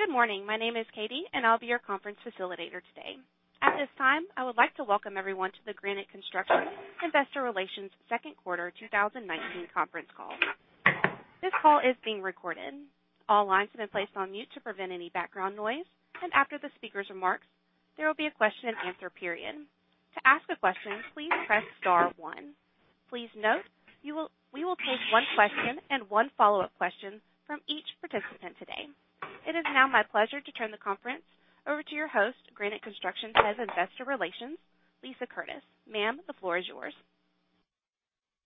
Good morning. My name is Katie, and I'll be your conference facilitator today. At this time, I would like to welcome everyone to the Granite Construction Investor Second Quarter 2019 conference call. This call is being recorded. All lines have been placed on mute to prevent any background noise, and after the speaker's remarks, there will be a question-and-answer period. To ask a question, please press star one. Please note, we will take one question and one follow-up question from each participant today. It is now my pleasure to turn the conference over to your host, Granite Construction's Head of Investor Relations, Lisa Curtis. Ma'am, the floor is yours.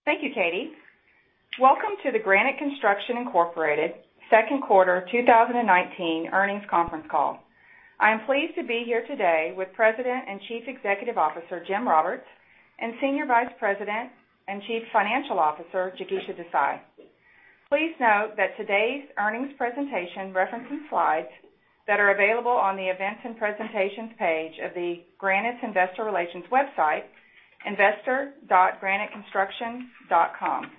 Thank you, Katie. Welcome to the Granite Construction Incorporated Second Quarter 2019 earnings conference call. I am pleased to be here today with President and Chief Executive Officer Jim Roberts and Senior Vice President and Chief Financial Officer Jigisha Desai. Please note that today's earnings presentation references slides that are available on the events and presentations page of the Granite's Investor Relations website, investor.graniteconstruction.com.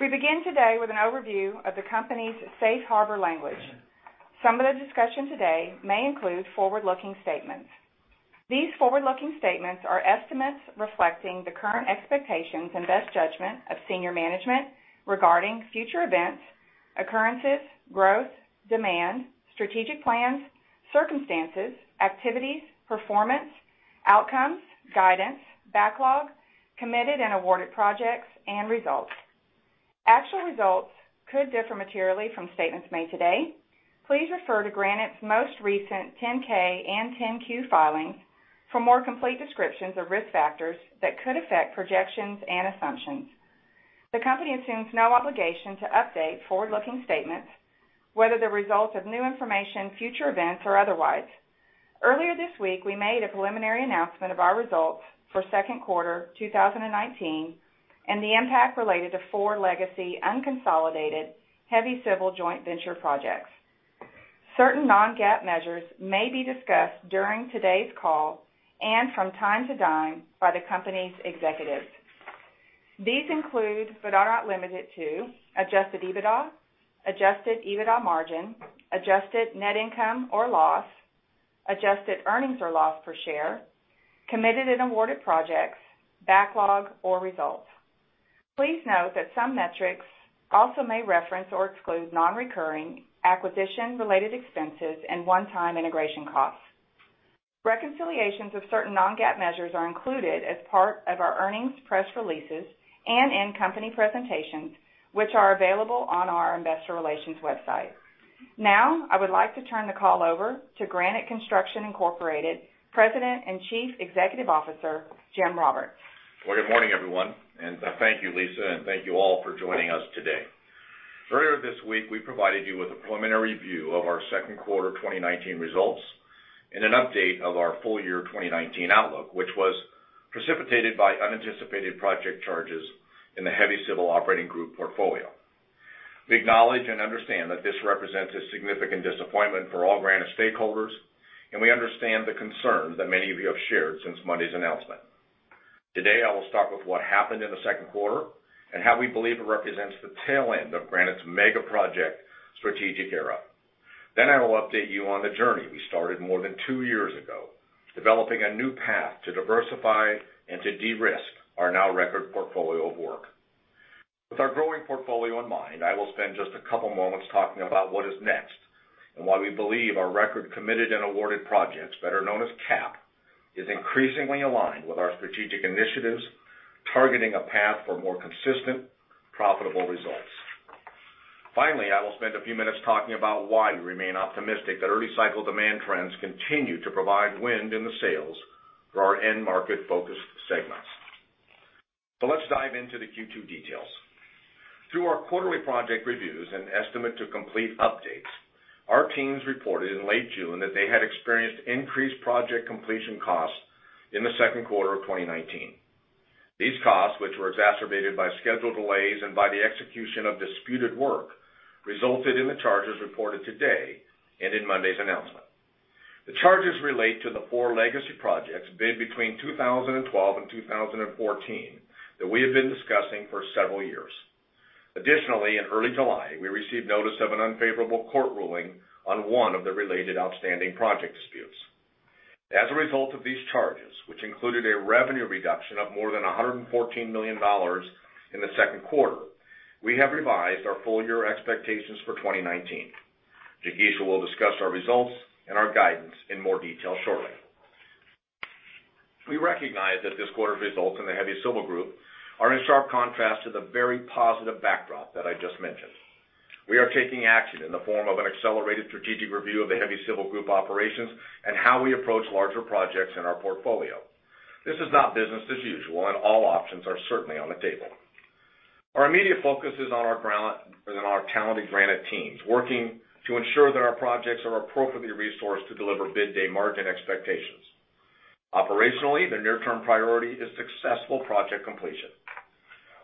We begin today with an overview of the company's safe harbor language. Some of the discussion today may include forward-looking statements. These forward-looking statements are estimates reflecting the current expectations and best judgment of senior management regarding future events, occurrences, growth, demand, strategic plans, circumstances, activities, performance, outcomes, guidance, backlog, committed and awarded projects, and results. Actual results could differ materially from statements made today. Please refer to Granite's most recent 10-K and 10-Q filings for more complete descriptions of risk factors that could affect projections and assumptions. The company assumes no obligation to update forward-looking statements, whether the results of new information, future events, or otherwise. Earlier this week, we made a preliminary announcement of our results for Second Quarter 2019 and the impact related to four legacy unconsolidated heavy civil joint venture projects. Certain non-GAAP measures may be discussed during today's call and from time to time by the company's executives. These include, but are not limited to, adjusted EBITDA, adjusted EBITDA margin, adjusted net income or loss, adjusted earnings or loss per share, committed and awarded projects, backlog or results. Please note that some metrics also may reference or exclude non-recurring acquisition-related expenses and one-time integration costs. Reconciliations of certain non-GAAP measures are included as part of our earnings press releases and in-company presentations, which are available on our Investor Relations website. Now, I would like to turn the call over to Granite Construction Incorporated President and Chief Executive Officer Jim Roberts. Well, good morning, everyone. I thank you, Lisa, and thank you all for joining us today. Earlier this week, we provided you with a preliminary view of our second quarter 2019 results and an update of our full-year 2019 outlook, which was precipitated by unanticipated project charges in the Heavy Civil Operating Group portfolio. We acknowledge and understand that this represents a significant disappointment for all Granite stakeholders, and we understand the concerns that many of you have shared since Monday's announcement. Today, I will start with what happened in the second quarter and how we believe it represents the tail end of Granite's mega project strategic era. Then I will update you on the journey we started more than two years ago, developing a new path to diversify and to de-risk our now record portfolio of work. With our growing portfolio in mind, I will spend just a couple of moments talking about what is next and why we believe our record committed and awarded projects, better known as CAP, is increasingly aligned with our strategic initiatives, targeting a path for more consistent, profitable results. Finally, I will spend a few minutes talking about why we remain optimistic that early cycle demand trends continue to provide wind in the sails for our end market-focused segments. So let's dive into the Q2 details. Through our quarterly project reviews and estimate-to-complete updates, our teams reported in late June that they had experienced increased project completion costs in the second quarter of 2019. These costs, which were exacerbated by scheduled delays and by the execution of disputed work, resulted in the charges reported today and in Monday's announcement. The charges relate to the four legacy projects bid between 2012 and 2014 that we have been discussing for several years. Additionally, in early July, we received notice of an unfavorable court ruling on one of the related outstanding project disputes. As a result of these charges, which included a revenue reduction of more than $114 million in the second quarter, we have revised our full year expectations for 2019. Jigisha will discuss our results and our guidance in more detail shortly. We recognize that this quarter's results in the heavy civil group are in sharp contrast to the very positive backdrop that I just mentioned. We are taking action in the form of an accelerated strategic review of the heavy civil group operations and how we approach larger projects in our portfolio. This is not business as usual, and all options are certainly on the table. Our immediate focus is on our talented Granite teams working to ensure that our projects are appropriately resourced to deliver bid-day margin expectations. Operationally, the near-term priority is successful project completion.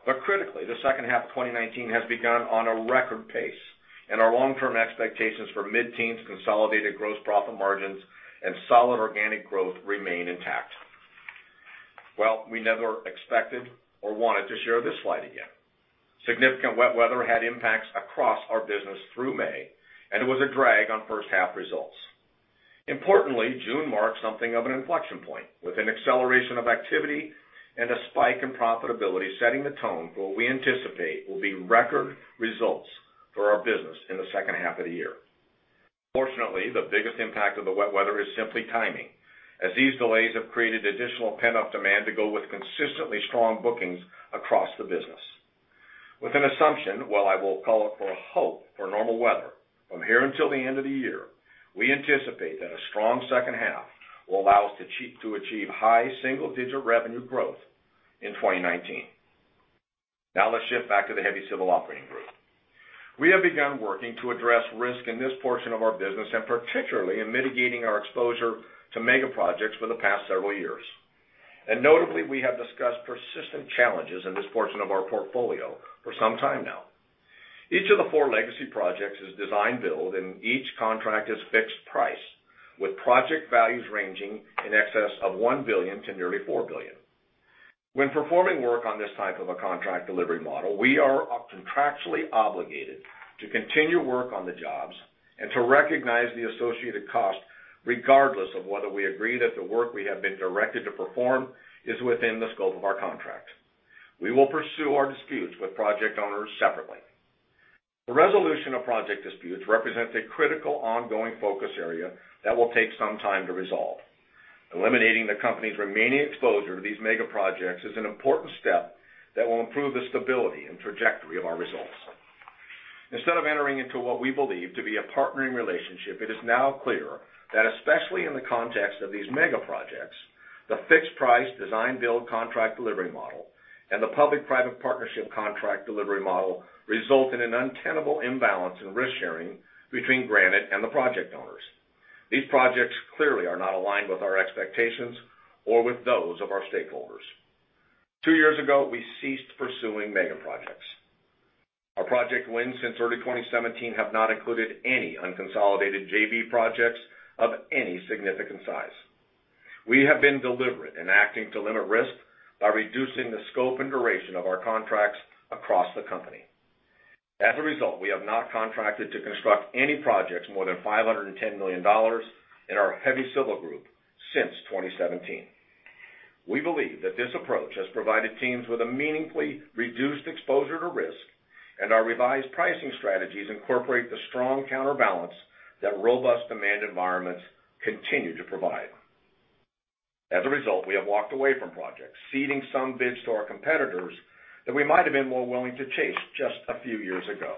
But critically, the second half of 2019 has begun on a record pace, and our long-term expectations for mid-teens, consolidated gross profit margins, and solid organic growth remain intact. Well, we never expected or wanted to share this slide again. Significant wet weather had impacts across our business through May, and it was a drag on first-half results. Importantly, June marked something of an inflection point with an acceleration of activity and a spike in profitability setting the tone for what we anticipate will be record results for our business in the second half of the year. Fortunately, the biggest impact of the wet weather is simply timing, as these delays have created additional pent-up demand to go with consistently strong bookings across the business. With an assumption, well, I will call it for hope for normal weather from here until the end of the year, we anticipate that a strong second half will allow us to achieve high single-digit revenue growth in 2019. Now, let's shift back to the Heavy Civil Operating Group. We have begun working to address risk in this portion of our business, and particularly in mitigating our exposure to mega projects for the past several years. Notably, we have discussed persistent challenges in this portion of our portfolio for some time now. Each of the four legacy projects is design-build, and each contract is fixed price, with project values ranging in excess of $1 billion to nearly $4 billion. When performing work on this type of a contract delivery model, we are contractually obligated to continue work on the jobs and to recognize the associated cost, regardless of whether we agree that the work we have been directed to perform is within the scope of our contract. We will pursue our disputes with project owners separately. The resolution of project disputes represents a critical ongoing focus area that will take some time to resolve. Eliminating the company's remaining exposure to these mega projects is an important step that will improve the stability and trajectory of our results. Instead of entering into what we believe to be a partnering relationship, it is now clear that, especially in the context of these mega projects, the fixed-price design-build contract delivery model and the public-private partnership contract delivery model result in an untenable imbalance in risk sharing between Granite and the project owners. These projects clearly are not aligned with our expectations or with those of our stakeholders. Two years ago, we ceased pursuing mega projects. Our project wins since early 2017 have not included any unconsolidated JV projects of any significant size. We have been deliberate in acting to limit risk by reducing the scope and duration of our contracts across the company. As a result, we have not contracted to construct any projects more than $510 million in our heavy civil group since 2017. We believe that this approach has provided teams with a meaningfully reduced exposure to risk, and our revised pricing strategies incorporate the strong counterbalance that robust demand environments continue to provide. As a result, we have walked away from projects, ceding some bids to our competitors that we might have been more willing to chase just a few years ago.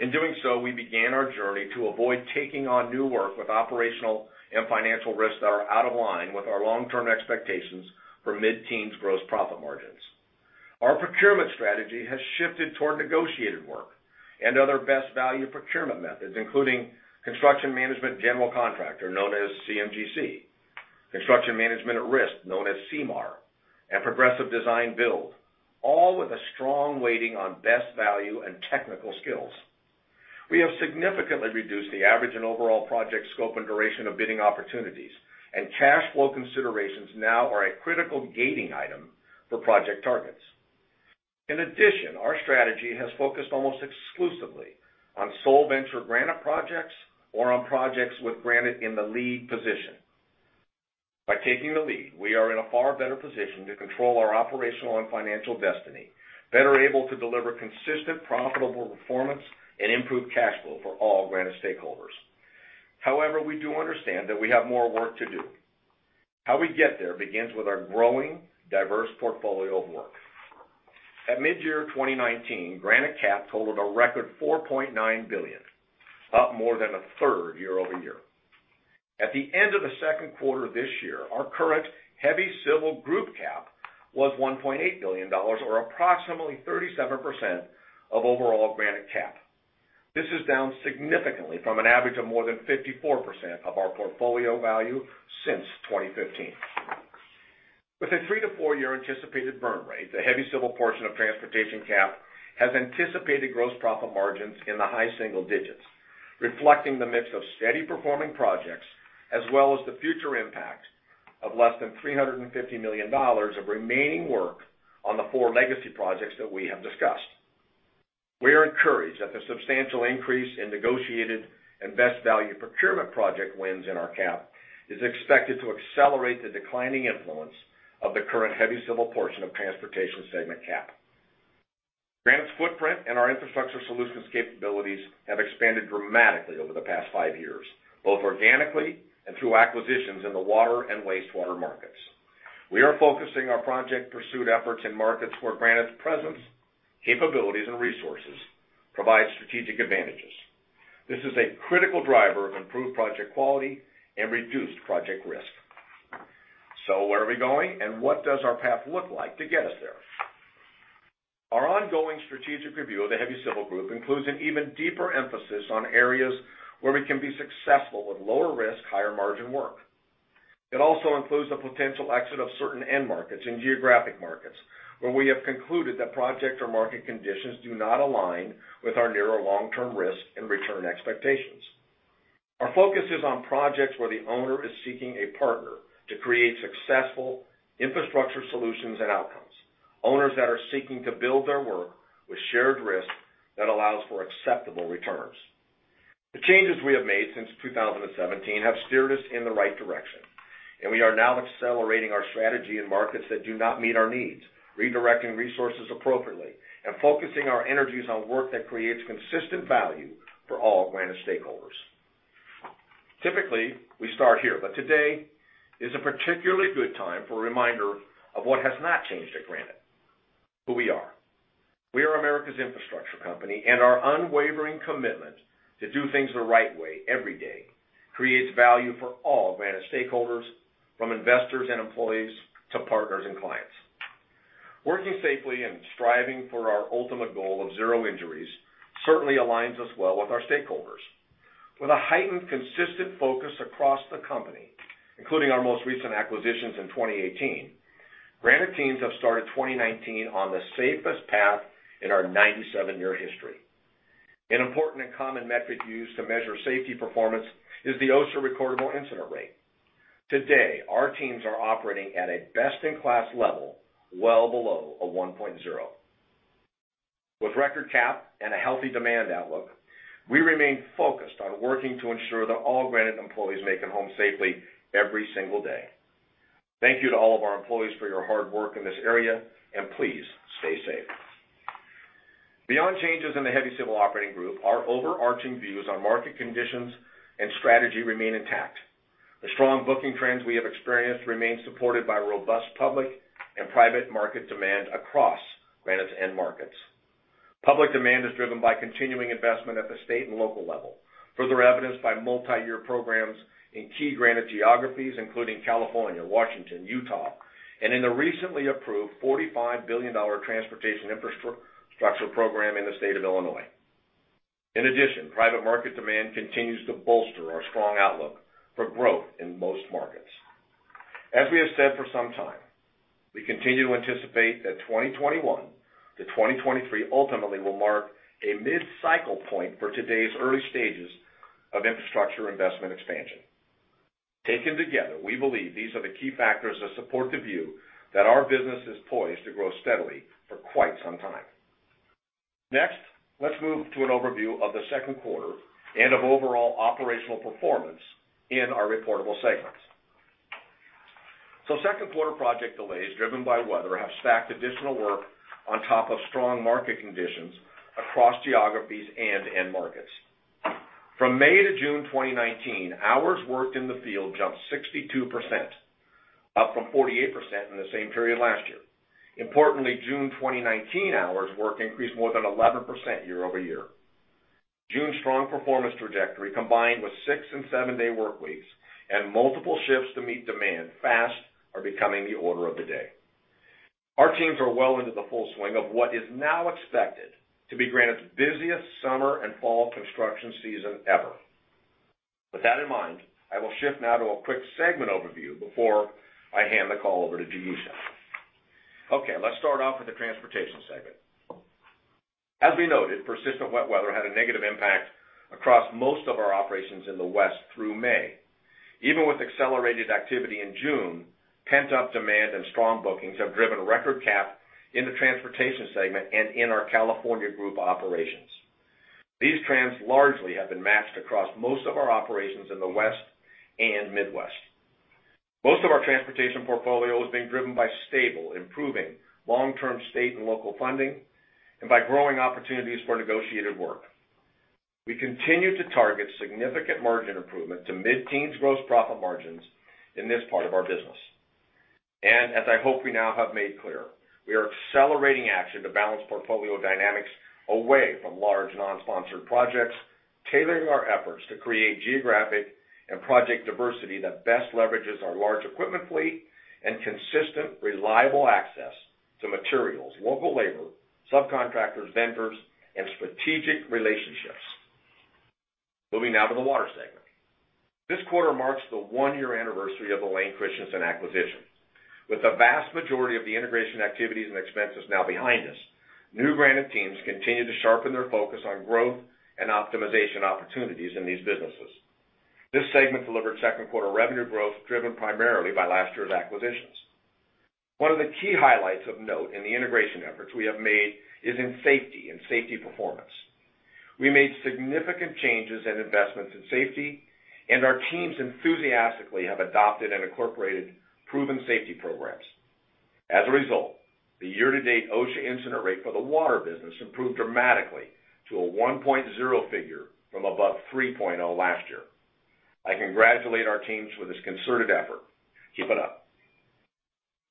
In doing so, we began our journey to avoid taking on new work with operational and financial risks that are out of line with our long-term expectations for mid-teens gross profit margins. Our procurement strategy has shifted toward negotiated work and other best value procurement methods, including construction management general contractor known as CM/GC, construction management at risk known as CMAR, and progressive design-build, all with a strong weighting on best value and technical skills. We have significantly reduced the average and overall project scope and duration of bidding opportunities, and cash flow considerations now are a critical gating item for project targets. In addition, our strategy has focused almost exclusively on sole venture Granite projects or on projects with Granite in the lead position. By taking the lead, we are in a far better position to control our operational and financial destiny, better able to deliver consistent, profitable performance, and improve cash flow for all Granite stakeholders. However, we do understand that we have more work to do. How we get there begins with our growing, diverse portfolio of work. At mid-year 2019, Granite CAP totaled a record $4.9 billion, up more than a third year-over-year. At the end of the second quarter of this year, our current heavy civil group CAP was $1.8 billion, or approximately 37% of overall Granite CAP. This is down significantly from an average of more than 54% of our portfolio value since 2015. With a three to four year anticipated burn rate, the heavy civil portion of transportation CAP has anticipated gross profit margins in the high single digits, reflecting the mix of steady performing projects as well as the future impact of less than $350 million of remaining work on the four legacy projects that we have discussed. We are encouraged that the substantial increase in negotiated and best value procurement project wins in our CAP is expected to accelerate the declining influence of the current heavy civil portion of transportation segment CAP. Granite's footprint and our infrastructure solutions capabilities have expanded dramatically over the past five years, both organically and through acquisitions in the water and wastewater markets. We are focusing our project pursuit efforts in markets where Granite's presence, capabilities, and resources provide strategic advantages. This is a critical driver of improved project quality and reduced project risk. So where are we going, and what does our path look like to get us there? Our ongoing strategic review of the heavy civil group includes an even deeper emphasis on areas where we can be successful with lower risk, higher margin work. It also includes the potential exit of certain end markets in geographic markets where we have concluded that project or market conditions do not align with our nearer long-term risk and return expectations. Our focus is on projects where the owner is seeking a partner to create successful infrastructure solutions and outcomes, owners that are seeking to build their work with shared risk that allows for acceptable returns. The changes we have made since 2017 have steered us in the right direction, and we are now accelerating our strategy in markets that do not meet our needs, redirecting resources appropriately and focusing our energies on work that creates consistent value for all Granite stakeholders. Typically, we start here, but today is a particularly good time for a reminder of what has not changed at Granite: who we are. We are America's infrastructure company, and our unwavering commitment to do things the right way every day creates value for all Granite stakeholders, from investors and employees to partners and clients. Working safely and striving for our ultimate goal of zero injuries certainly aligns us well with our stakeholders. With a heightened consistent focus across the company, including our most recent acquisitions in 2018, Granite teams have started 2019 on the safest path in our 97-year history. An important and common metric used to measure safety performance is the OSHA Recordable Incident Rate. Today, our teams are operating at a best-in-class level well below 1.0. With record CAP and a healthy demand outlook, we remain focused on working to ensure that all Granite employees make it home safely every single day. Thank you to all of our employees for your hard work in this area, and please stay safe. Beyond changes in the Heavy Civil Operating Group, our overarching views on market conditions and strategy remain intact. The strong booking trends we have experienced remain supported by robust public and private market demand across Granite's end markets. Public demand is driven by continuing investment at the state and local level, further evidenced by multi-year programs in key Granite geographies, including California, Washington, Utah, and in the recently approved $45 billion transportation infrastructure program in the state of Illinois. In addition, private market demand continues to bolster our strong outlook for growth in most markets. As we have said for some time, we continue to anticipate that 2021 to 2023 ultimately will mark a mid-cycle point for today's early stages of infrastructure investment expansion. Taken together, we believe these are the key factors that support the view that our business is poised to grow steadily for quite some time. Next, let's move to an overview of the second quarter and of overall operational performance in our reportable segments. So second quarter project delays driven by weather have stacked additional work on top of strong market conditions across geographies and end markets. From May to June 2019, hours worked in the field jumped 62%, up from 48% in the same period last year. Importantly, June 2019 hours worked increased more than 11% year-over-year. June's strong performance trajectory, combined with six and seven day work weeks and multiple shifts to meet demand, are fast becoming the order of the day. Our teams are well into the full swing of what is now expected to be Granite's busiest summer and fall construction season ever. With that in mind, I will shift now to a quick segment overview before I hand the call over to Desai. Okay, let's start off with the transportation segment. As we noted, persistent wet weather had a negative impact across most of our operations in the West through May. Even with accelerated activity in June, pent-up demand and strong bookings have driven record CAP in the transportation segment and in our California group operations. These trends largely have been matched across most of our operations in the West and Midwest. Most of our transportation portfolio is being driven by stable, improving long-term state and local funding and by growing opportunities for negotiated work. We continue to target significant margin improvement to mid-teens gross profit margins in this part of our business. As I hope we now have made clear, we are accelerating action to balance portfolio dynamics away from large non-sponsored projects, tailoring our efforts to create geographic and project diversity that best leverages our large equipment fleet and consistent, reliable access to materials, local labor, subcontractors, vendors, and strategic relationships. Moving now to the water segment. This quarter marks the one-year anniversary of the Layne Christensen acquisition. With the vast majority of the integration activities and expenses now behind us, new Granite teams continue to sharpen their focus on growth and optimization opportunities in these businesses. This segment delivered second quarter revenue growth driven primarily by last year's acquisitions. One of the key highlights of note in the integration efforts we have made is in safety and safety performance. We made significant changes and investments in safety, and our teams enthusiastically have adopted and incorporated proven safety programs. As a result, the year-to-date OSHA incident rate for the water business improved dramatically to a 1.0 figure from above 3.0 last year. I congratulate our teams with this concerted effort. Keep it up.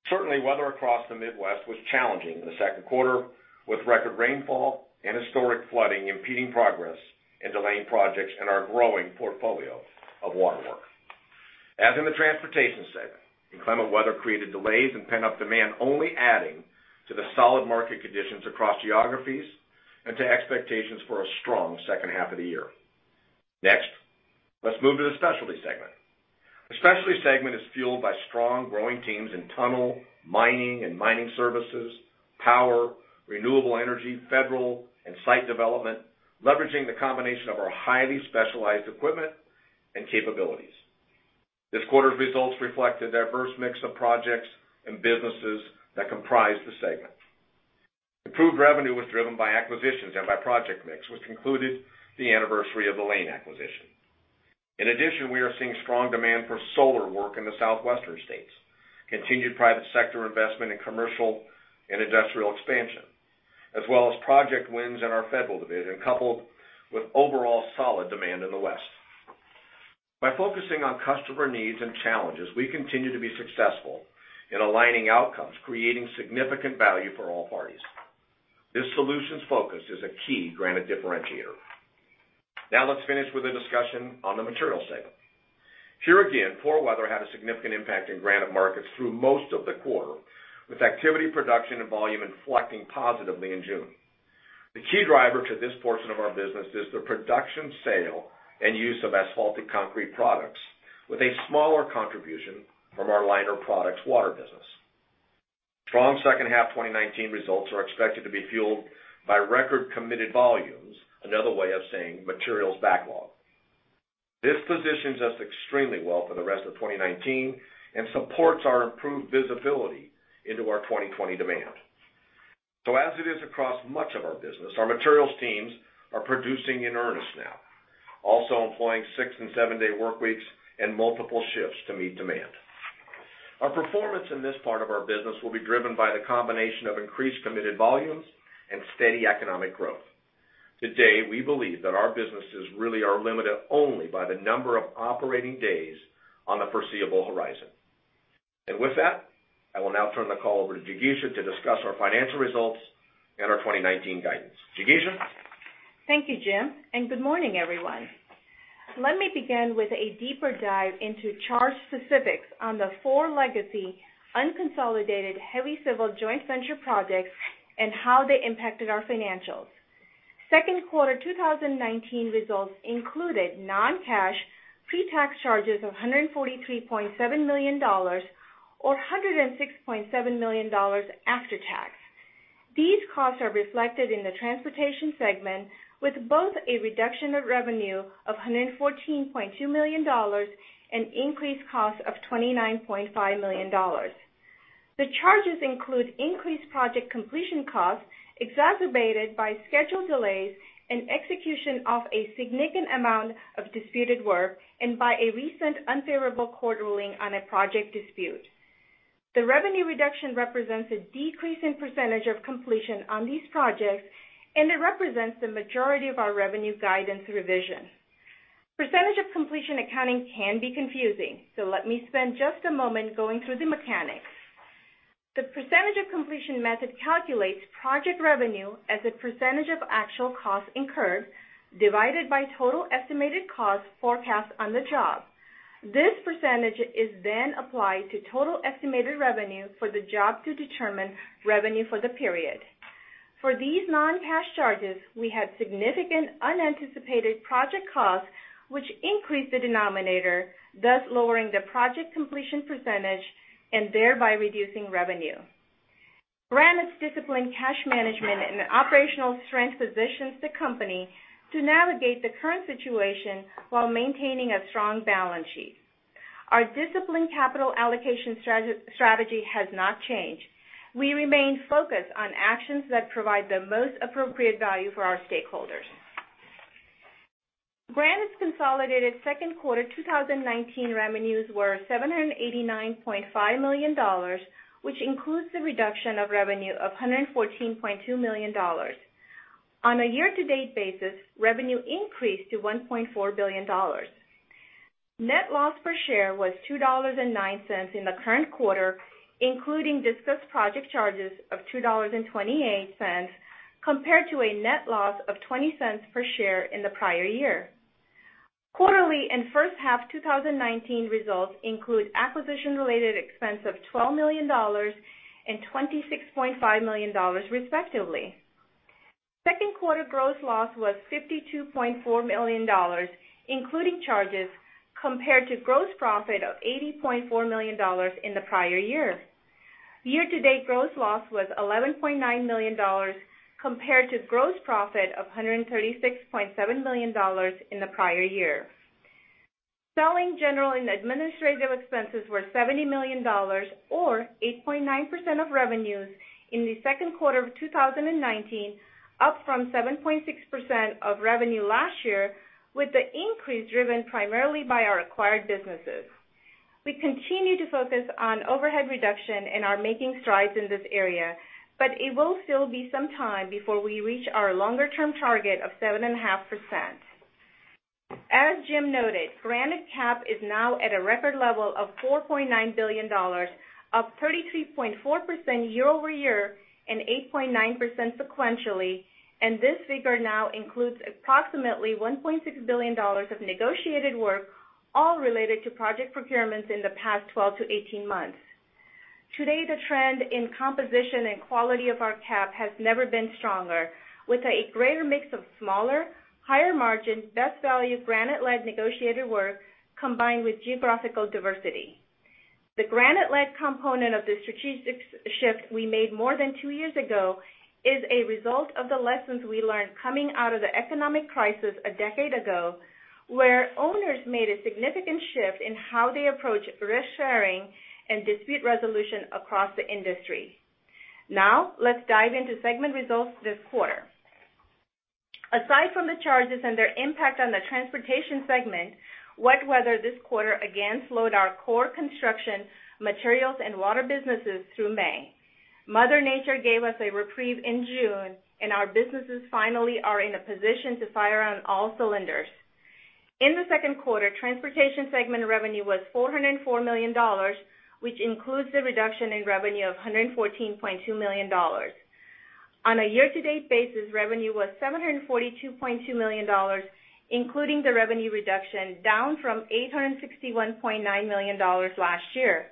Certainly, weather across the Midwest was challenging in the second quarter, with record rainfall and historic flooding impeding progress and delaying projects in our growing portfolio of water work. As in the transportation segment, inclement weather created delays and pent-up demand, only adding to the solid market conditions across geographies and to expectations for a strong second half of the year. Next, let's move to the specialty segment. The specialty segment is fueled by strong growing teams in tunnel, mining, and mining services, power, renewable energy, federal, and site development, leveraging the combination of our highly specialized equipment and capabilities. This quarter's results reflect a diverse mix of projects and businesses that comprise the segment. Improved revenue was driven by acquisitions and by project mix, which concluded the anniversary of the Layne acquisition. In addition, we are seeing strong demand for solar work in the Southwestern United States, continued private sector investment in commercial and industrial expansion, as well as project wins in our federal division, coupled with overall solid demand in the West. By focusing on customer needs and challenges, we continue to be successful in aligning outcomes, creating significant value for all parties. This solutions focus is a key Granite differentiator. Now let's finish with a discussion on the materials segment. Here again, poor weather had a significant impact in Granite markets through most of the quarter, with activity, production, and volume inflecting positively in June. The key driver to this portion of our business is the production, sale, and use of asphalt concrete products, with a smaller contribution from our lighter products water business. Strong second half 2019 results are expected to be fueled by record committed volumes, another way of saying materials backlog. This positions us extremely well for the rest of 2019 and supports our improved visibility into our 2020 demand. So as it is across much of our business, our materials teams are producing in earnest now, also employing six- and seven-day work weeks and multiple shifts to meet demand. Our performance in this part of our business will be driven by the combination of increased committed volumes and steady economic growth. Today, we believe that our businesses really are limited only by the number of operating days on the foreseeable horizon. With that, I will now turn the call over to Jigisha to discuss our financial results and our 2019 guidance. Jigisha? Thank you, Jim, and good morning, everyone. Let me begin with a deeper dive into charge specifics on the four legacy unconsolidated heavy civil joint venture projects and how they impacted our financials. Second quarter 2019 results included non-cash pre-tax charges of $143.7 million or $106.7 million after tax. These costs are reflected in the transportation segment, with both a reduction of revenue of $114.2 million and increased costs of $29.5 million. The charges include increased project completion costs exacerbated by schedule delays and execution of a significant amount of disputed work, and by a recent unfavorable court ruling on a project dispute. The revenue reduction represents a decrease in percentage of completion on these projects, and it represents the majority of our revenue guidance revision. Percentage of completion accounting can be confusing, so let me spend just a moment going through the mechanics. The percentage of completion method calculates project revenue as a percentage of actual costs incurred divided by total estimated costs forecast on the job. This percentage is then applied to total estimated revenue for the job to determine revenue for the period. For these non-cash charges, we had significant unanticipated project costs, which increased the denominator, thus lowering the project completion percentage and thereby reducing revenue. Granite's disciplined cash management and operational strength positions the company to navigate the current situation while maintaining a strong balance sheet. Our disciplined capital allocation strategy has not changed. We remain focused on actions that provide the most appropriate value for our stakeholders. Granite's consolidated second quarter 2019 revenues were $789.5 million, which includes the reduction of revenue of $114.2 million. On a year-to-date basis, revenue increased to $1.4 billion. Net loss per share was $2.09 in the current quarter, including discussed project charges of $2.28, compared to a net loss of $0.20 per share in the prior year. Quarterly and first half 2019 results include acquisition-related expense of $12 million and $26.5 million, respectively. Second quarter gross loss was $52.4 million, including charges, compared to gross profit of $80.4 million in the prior year. Year-to-date gross loss was $11.9 million, compared to gross profit of $136.7 million in the prior year. Selling general and administrative expenses were $70 million, or 8.9% of revenues in the second quarter of 2019, up from 7.6% of revenue last year, with the increase driven primarily by our acquired businesses. We continue to focus on overhead reduction and are making strides in this area, but it will still be some time before we reach our longer-term target of 7.5%. As Jim noted, Granite CAP is now at a record level of $4.9 billion, up 33.4% year-over-year and 8.9% sequentially, and this figure now includes approximately $1.6 billion of negotiated work, all related to project procurements in the past 12months-18 months. Today, the trend in composition and quality of our CAP has never been stronger, with a greater mix of smaller, higher-margin, best-value Granite-led negotiated work combined with geographical diversity. The Granite-led component of the strategic shift we made more than two years ago is a result of the lessons we learned coming out of the economic crisis a decade ago, where owners made a significant shift in how they approached risk-sharing and dispute resolution across the industry. Now, let's dive into segment results this quarter. Aside from the charges and their impact on the transportation segment, wet weather this quarter again slowed our core construction, materials, and water businesses through May. Mother Nature gave us a reprieve in June, and our businesses finally are in a position to fire on all cylinders. In the second quarter, transportation segment revenue was $404 million, which includes the reduction in revenue of $114.2 million. On a year-to-date basis, revenue was $742.2 million, including the revenue reduction, down from $861.9 million last year.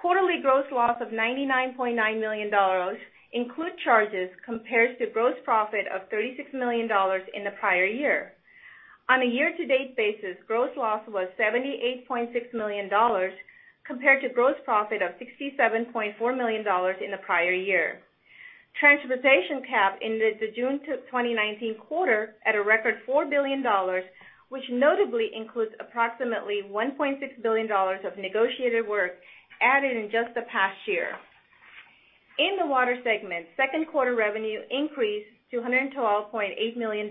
Quarterly gross loss of $99.9 million includes charges compared to gross profit of $36 million in the prior year. On a year-to-date basis, gross loss was $78.6 million compared to gross profit of $67.4 million in the prior year. Transportation CAP ended the June 2019 quarter at a record $4 billion, which notably includes approximately $1.6 billion of negotiated work added in just the past year. In the water segment, second quarter revenue increased to $112.8 million,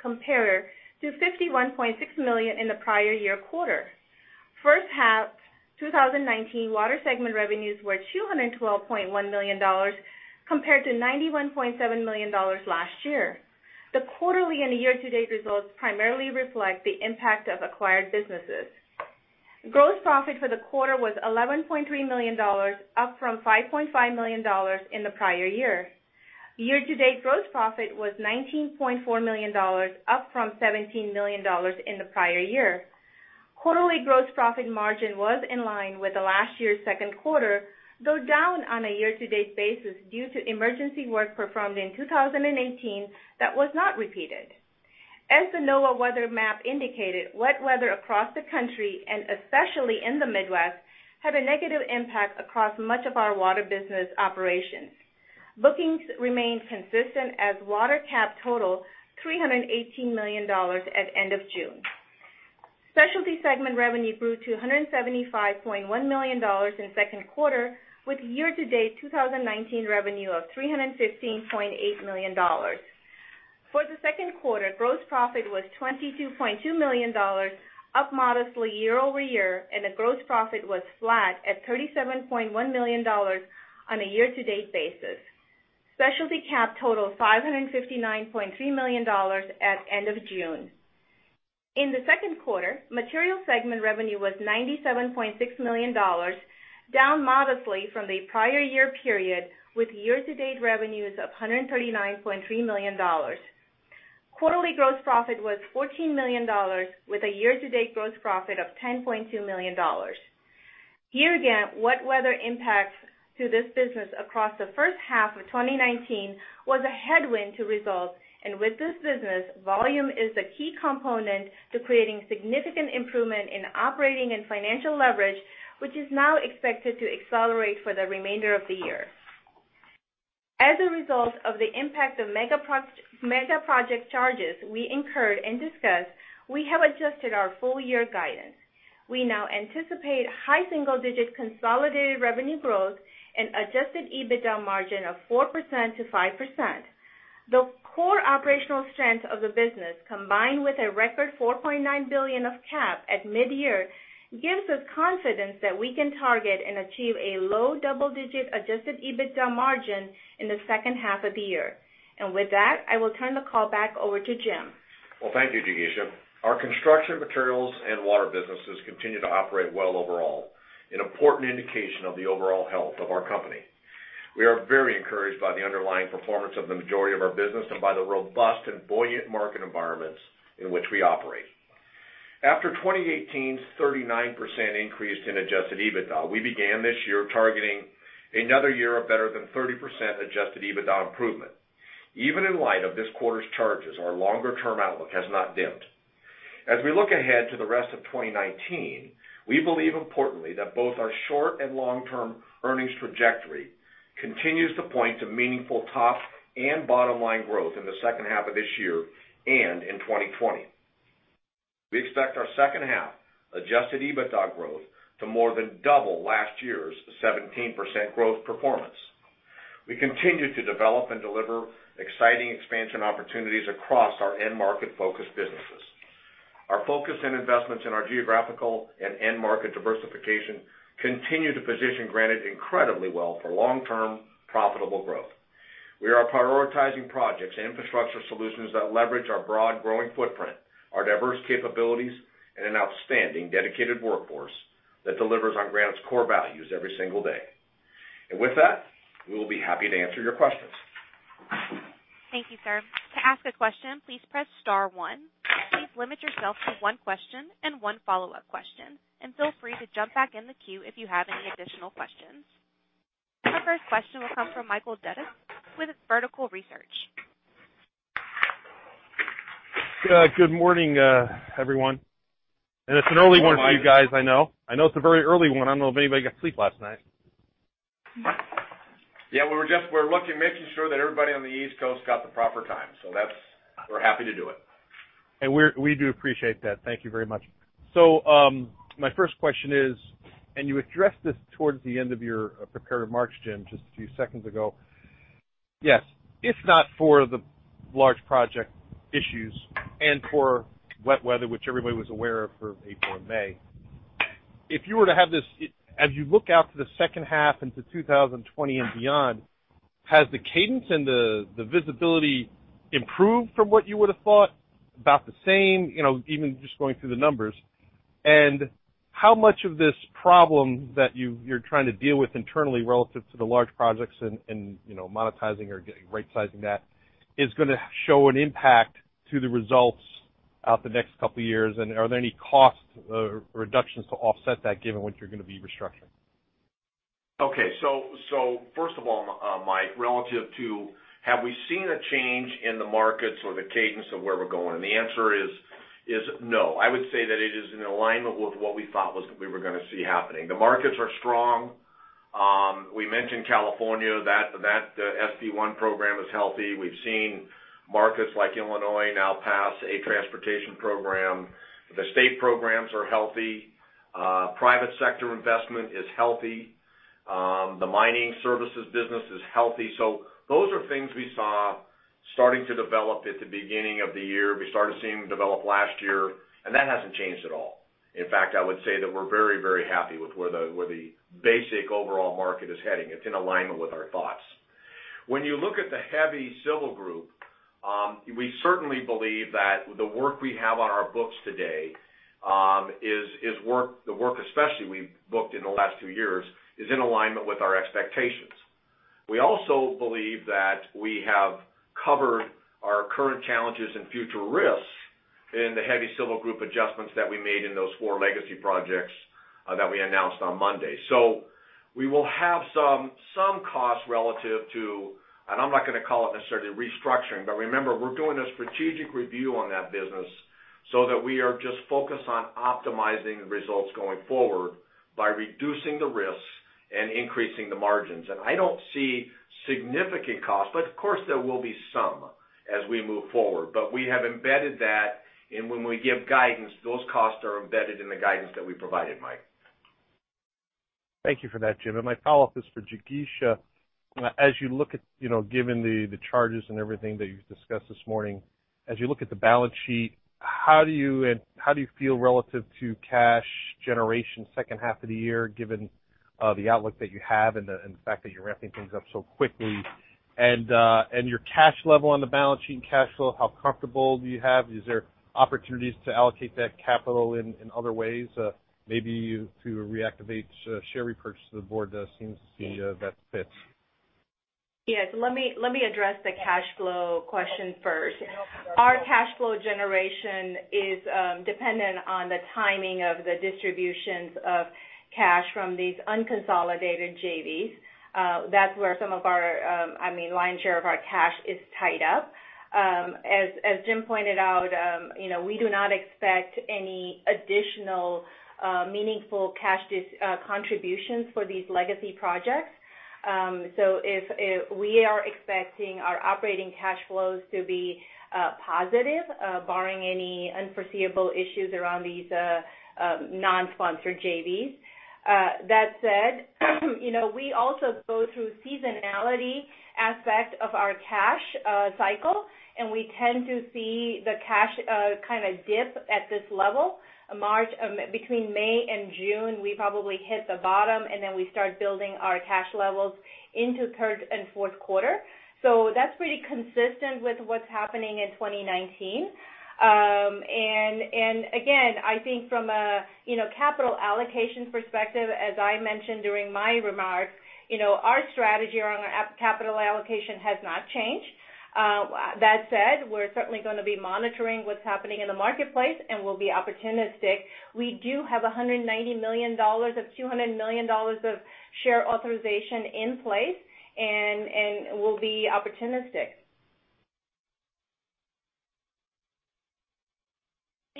compared to $51.6 million in the prior year quarter. First half 2019 water segment revenues were $212.1 million compared to $91.7 million last year. The quarterly and year-to-date results primarily reflect the impact of acquired businesses. Gross profit for the quarter was $11.3 million, up from $5.5 million in the prior year. Year-to-date gross profit was $19.4 million, up from $17 million in the prior year. Quarterly gross profit margin was in line with last year's second quarter, though down on a year-to-date basis due to emergency work performed in 2018 that was not repeated. As the NOAA weather map indicated, wet weather across the country, and especially in the Midwest, had a negative impact across much of our water business operations. Bookings remained consistent, as water CAP totaled $318 million at the end of June. Specialty segment revenue grew to $175.1 million in the second quarter, with year-to-date 2019 revenue of $315.8 million. For the second quarter, gross profit was $22.2 million, up modestly year-over-year, and the gross profit was flat at $37.1 million on a year-to-date basis. Specialty CAP totaled $559.3 million at the end of June. In the second quarter, materials segment revenue was $97.6 million, down modestly from the prior year period, with year-to-date revenues of $139.3 million. Quarterly gross profit was $14 million, with a year-to-date gross profit of $10.2 million. Here again, wet weather impacts to this business across the first half of 2019 was a headwind to results, and with this business, volume is the key component to creating significant improvement in operating and financial leverage, which is now expected to accelerate for the remainder of the year. As a result of the impact of mega project charges we incurred and discussed, we have adjusted our full-year guidance. We now anticipate high single-digit consolidated revenue growth and Adjusted EBITDA margin of 4%-5%. The core operational strength of the business, combined with a record $4.9 billion of CAP at mid-year, gives us confidence that we can target and achieve a low double-digit Adjusted EBITDA margin in the second half of the year. With that, I will turn the call back over to Jim. Well, thank you, Jigisha. Our construction, materials, and water businesses continue to operate well overall, an important indication of the overall health of our company. We are very encouraged by the underlying performance of the majority of our business and by the robust and buoyant market environments in which we operate. After 2018's 39% increase in Adjusted EBITDA, we began this year targeting another year of better than 30% Adjusted EBITDA improvement. Even in light of this quarter's charges, our longer-term outlook has not dimmed. As we look ahead to the rest of 2019, we believe importantly that both our short and long-term earnings trajectory continues to point to meaningful top and bottom line growth in the second half of this year and in 2020. We expect our second half Adjusted EBITDA growth to more than double last year's 17% growth performance. We continue to develop and deliver exciting expansion opportunities across our end-market-focused businesses. Our focus and investments in our geographical and end-market diversification continue to position Granite incredibly well for long-term profitable growth. We are prioritizing projects and infrastructure solutions that leverage our broad growing footprint, our diverse capabilities, and an outstanding dedicated workforce that delivers on Granite's core values every single day. And with that, we will be happy to answer your questions. Thank you, sir. To ask a question, please press star one. Please limit yourself to one question and one follow-up question, and feel free to jump back in the queue if you have any additional questions. Our first question will come from Michael Dudas with Vertical Research Partners. Good morning, everyone. And it's an early one for you guys, I know. I know it's a very early one. I don't know if anybody got sleep last night. Yeah, we were just, we're lucky making sure that everybody on the East Coast got the proper time. So that's, we're happy to do it. And we do appreciate that. Thank you very much. So my first question is, and you addressed this towards the end of your prepared remarks, Jim, just a few seconds ago. Yes, if not for the large project issues and for wet weather, which everybody was aware of for April and May, if you were to have this, as you look out to the second half into 2020 and beyond, has the cadence and the visibility improved from what you would have thought? About the same, you know, even just going through the numbers. And how much of this problem that you're trying to deal with internally relative to the large projects and monetizing or right-sizing that is going to show an impact to the results out the next couple of years? And are there any cost reductions to offset that given what you're going to be restructuring? Okay, so first of all, Mike, relative to have we seen a change in the markets or the cadence of where we're going? And the answer is no. I would say that it is in alignment with what we thought was we were going to see happening. The markets are strong. We mentioned California, that the SB 1 program is healthy. We've seen markets like Illinois now pass a transportation program. The state programs are healthy. Private sector investment is healthy. The mining services business is healthy. So those are things we saw starting to develop at the beginning of the year. We started seeing them develop last year, and that hasn't changed at all. In fact, I would say that we're very, very happy with where the basic overall market is heading. It's in alignment with our thoughts. When you look at the heavy civil group, we certainly believe that the work we have on our books today is work, the work especially we've booked in the last two years is in alignment with our expectations. We also believe that we have covered our current challenges and future risks in the heavy civil group adjustments that we made in those four legacy projects that we announced on Monday. So we will have some costs relative to, and I'm not going to call it necessarily restructuring, but remember, we're doing a strategic review on that business so that we are just focused on optimizing results going forward by reducing the risks and increasing the margins. And I don't see significant costs, but of course there will be some as we move forward, but we have embedded that, and when we give guidance, those costs are embedded in the guidance that we provided, Mike. Thank you for that, Jim. And my follow-up is for Dudas. As you look at, you know, given the charges and everything that you've discussed this morning, as you look at the balance sheet, how do you feel relative to cash generation second half of the year, given the outlook that you have and the fact that you're wrapping things up so quickly? And your cash level on the balance sheet and cash flow, how comfortable do you have? Is there opportunities to allocate that capital in other ways, maybe to reactivate share repurchase? The board seems to see that fit. Yeah, so let me address the cash flow question first. Our cash flow generation is dependent on the timing of the distributions of cash from these unconsolidated JVs. That's where some of our, I mean, lion's share of our cash is tied up. As Jim pointed out, you know, we do not expect any additional meaningful cash contributions for these legacy projects. So we are expecting our operating cash flows to be positive, barring any unforeseeable issues around these non-sponsored JVs. That said, you know, we also go through seasonality aspects of our cash cycle, and we tend to see the cash kind of dip at this level. Between May and June, we probably hit the bottom, and then we start building our cash levels into third and fourth quarter. So that's pretty consistent with what's happening in 2019. And again, I think from a capital allocation perspective, as I mentioned during my remarks, you know, our strategy around capital allocation has not changed. That said, we're certainly going to be monitoring what's happening in the marketplace, and we'll be opportunistic. We do have $190 million of $200 million of share authorization in place, and we'll be opportunistic.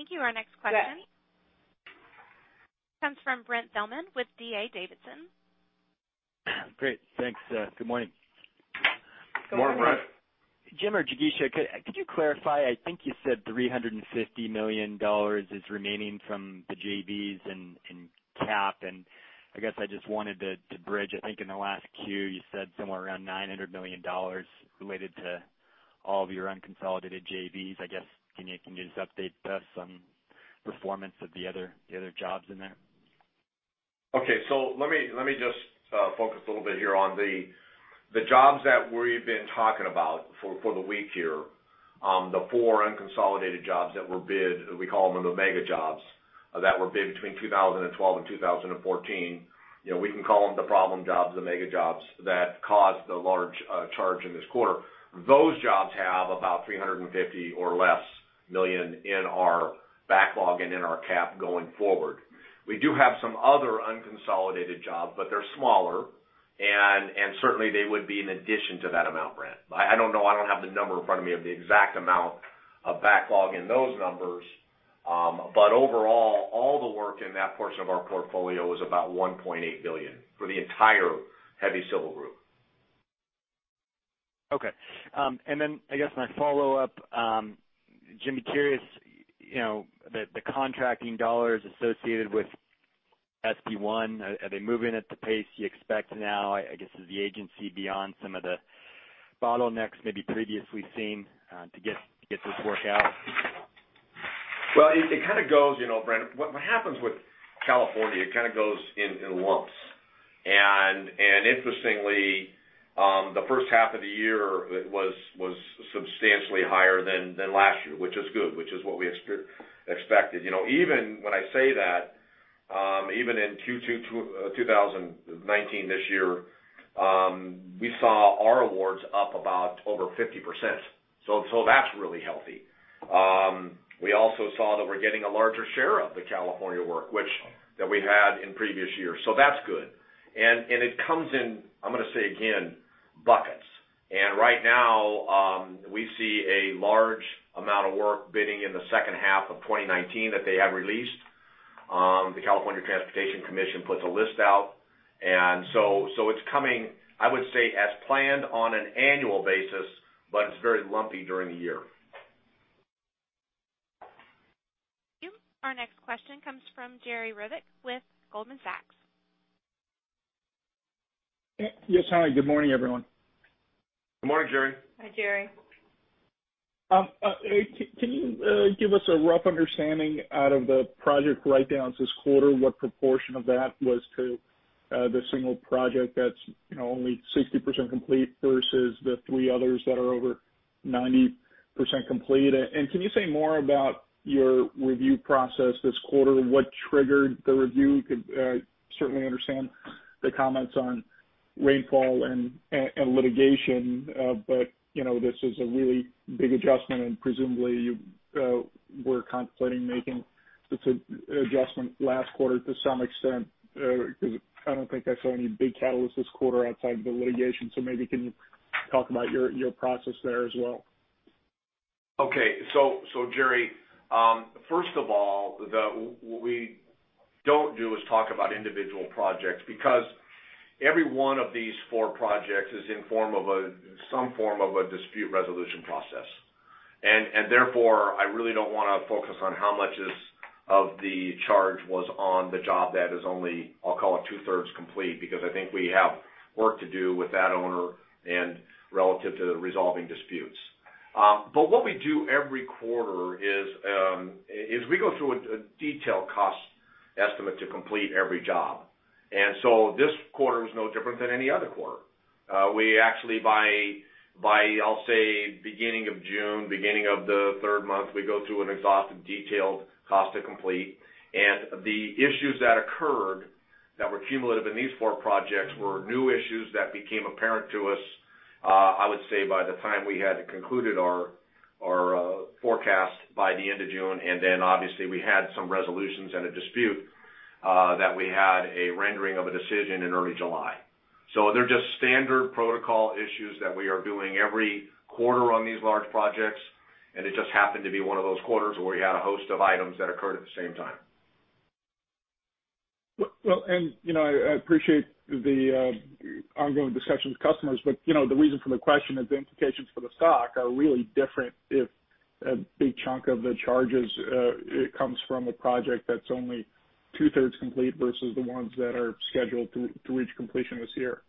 Thank you. Our next question comes from Brent Thielman with D.A. Davidson. Great. Thanks. Good morning. Good morning, Brent. Jim or Jigisha, could you clarify? I think you said $350 million is remaining from the JVs and CAP, and I guess I just wanted to bridge it. I think in the last queue, you said somewhere around $900 million related to all of your unconsolidated JVs. I guess can you just update us on performance of the other jobs in there? Okay, so let me just focus a little bit here on the jobs that we've been talking about for the week here. The four unconsolidated jobs that were bid, we call them the mega jobs, that were bid between 2012 and 2014. You know, we can call them the problem jobs, the mega jobs that caused the large charge in this quarter. Those jobs have about $350 million or less million in our backlog and in our CAP going forward. We do have some other unconsolidated jobs, but they're smaller, and certainly they would be in addition to that amount, Brent. I don't know, I don't have the number in front of me of the exact amount of backlog in those numbers, but overall, all the work in that portion of our portfolio is about $1.8 billion for the entire heavy civil group. Okay. And then I guess my follow-up, Jim, be curious, you know, the contracting dollars associated with SB 1, are they moving at the pace you expect now? I guess is the agency beyond some of the bottlenecks maybe previously seen to get this work out? Well, it kind of goes, you know, Brent, what happens with California, it kind of goes in lumps. And interestingly, the first half of the year was substantially higher than last year, which is good, which is what we expected. You know, even when I say that, even in 2019 this year, we saw our awards up about over 50%. So that's really healthy. We also saw that we're getting a larger share of the California work, which that we had in previous years. So that's good. And it comes in, I'm going to say again, buckets. And right now, we see a large amount of work bidding in the second half of 2019 that they have released. The California Transportation Commission puts a list out. And so it's coming, I would say, as planned on an annual basis, but it's very lumpy during the year. Our next question comes from Jerry Revich with Goldman Sachs. Yes, hi. Good morning, everyone. Good morning, Jerry. Hi, Jerry. Can you give us a rough understanding out of the project write-downs this quarter, what proportion of that was to the single project that's only 60% complete versus the three others that are over 90% complete? Can you say more about your review process this quarter? What triggered the review? You could certainly understand the comments on rainfall and litigation, but you know, this is a really big adjustment, and presumably you were contemplating making an adjustment last quarter to some extent, because I don't think I saw any big catalysts this quarter outside of the litigation. So maybe can you talk about your process there as well? Okay, so Jerry, first of all, what we don't do is talk about individual projects, because every one of these four projects is in some form of a dispute resolution process. And therefore, I really don't want to focus on how much of the charge was on the job that is only, I'll call it two-thirds complete, because I think we have work to do with that owner and relative to resolving disputes. But what we do every quarter is we go through a detailed cost estimate to complete every job. And so this quarter was no different than any other quarter. We actually, by, I'll say, beginning of June, beginning of the third month, we go through an exhaustive detailed cost to complete. And the issues that occurred that were cumulative in these 4 projects were new issues that became apparent to us, I would say, by the time we had concluded our forecast by the end of June. And then obviously we had some resolutions and a dispute that we had a rendering of a decision in early July. So they're just standard protocol issues that we are doing every quarter on these large projects. And it just happened to be one of those quarters where we had a host of items that occurred at the same time. Well, and you know, I appreciate the ongoing discussion with customers, but you know, the reason for the question is the implications for the stock are really different if a big chunk of the charges comes from a project that's only two-thirds complete versus the ones that are scheduled to reach completion this year.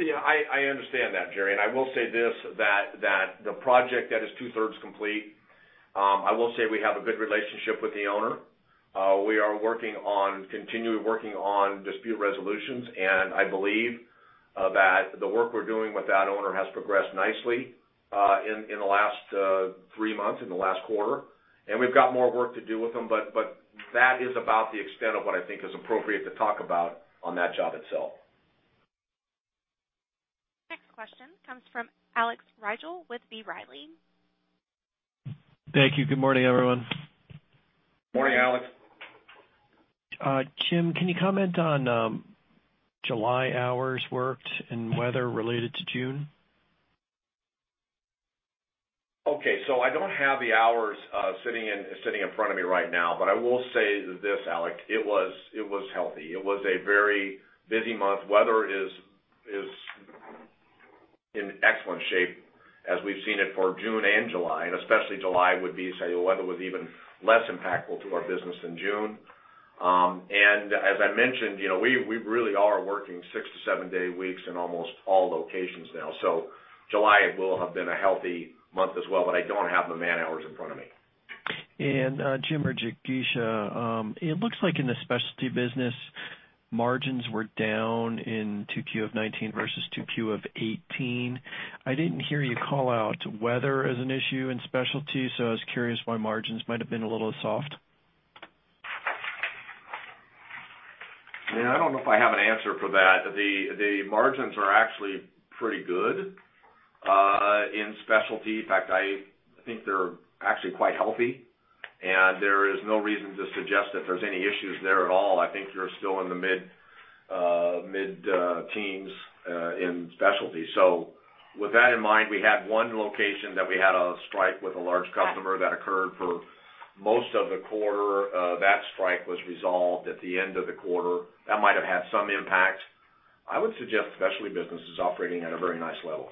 Yeah, I understand that, Jerry. And I will say this, that the project that is two-thirds complete, I will say we have a good relationship with the owner. We are working on continually working on dispute resolutions, and I believe that the work we're doing with that owner has progressed nicely in the last three months, in the last quarter. And we've got more work to do with them, but that is about the extent of what I think is appropriate to talk about on that job itself. Next question comes from Alex Rygiel with B. Riley. Thank you. Good morning, everyone. Morning, Alex. Jim, can you comment on July hours worked and weather related to June? Okay, so I don't have the hours sitting in front of me right now, but I will say this, Alex, it was healthy. It was a very busy month. Weather is in excellent shape as we've seen it for June and July, and especially July would be say weather was even less impactful to our business than June. And as I mentioned, you know, we really are working six- to seven-day weeks in almost all locations now. So July will have been a healthy month as well, but I don't have the man hours in front of me. And Jim or Jigisha, it looks like in the specialty business, margins were down in 2Q of 2019 versus 2Q of 2018. I didn't hear you call out weather as an issue in specialty, so I was curious why margins might have been a little soft. Yeah, I don't know if I have an answer for that. The margins are actually pretty good in specialty. In fact, I think they're actually quite healthy, and there is no reason to suggest that there's any issues there at all. I think you're still in the mid-teens in specialty. So with that in mind, we had one location that we had a strike with a large customer that occurred for most of the quarter. That strike was resolved at the end of the quarter. That might have had some impact. I would suggest specialty businesses operating at a very nice level.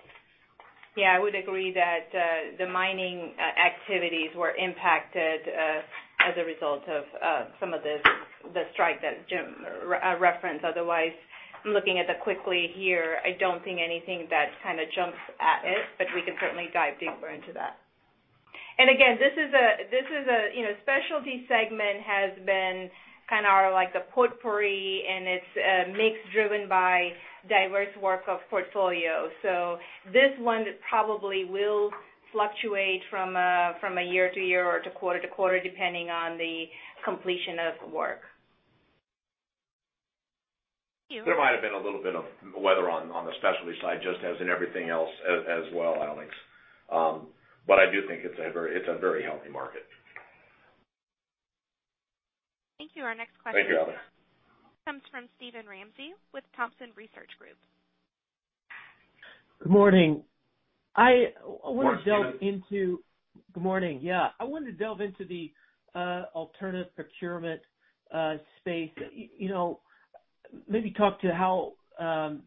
Yeah, I would agree that the mining activities were impacted as a result of some of the strike that Jim referenced. Otherwise, I'm looking at the quickly here. I don't think anything that kind of jumps at it, but we can certainly dive deeper into that. And again, this is a, you know, specialty segment has been kind of like the potpourri, and it's mixed driven by diverse work of portfolio. So this one probably will fluctuate from a year to year or to quarter to quarter, depending on the completion of work. There might have been a little bit of weather on the specialty side, just as in everything else as well, Alex. But I do think it's a very healthy market. Thank you. Our next question comes from Steven Ramsey with Thompson Research Group. Good morning. I want to delve into - good morning. Yeah, I wanted to delve into the alternative procurement space. You know, maybe talk to how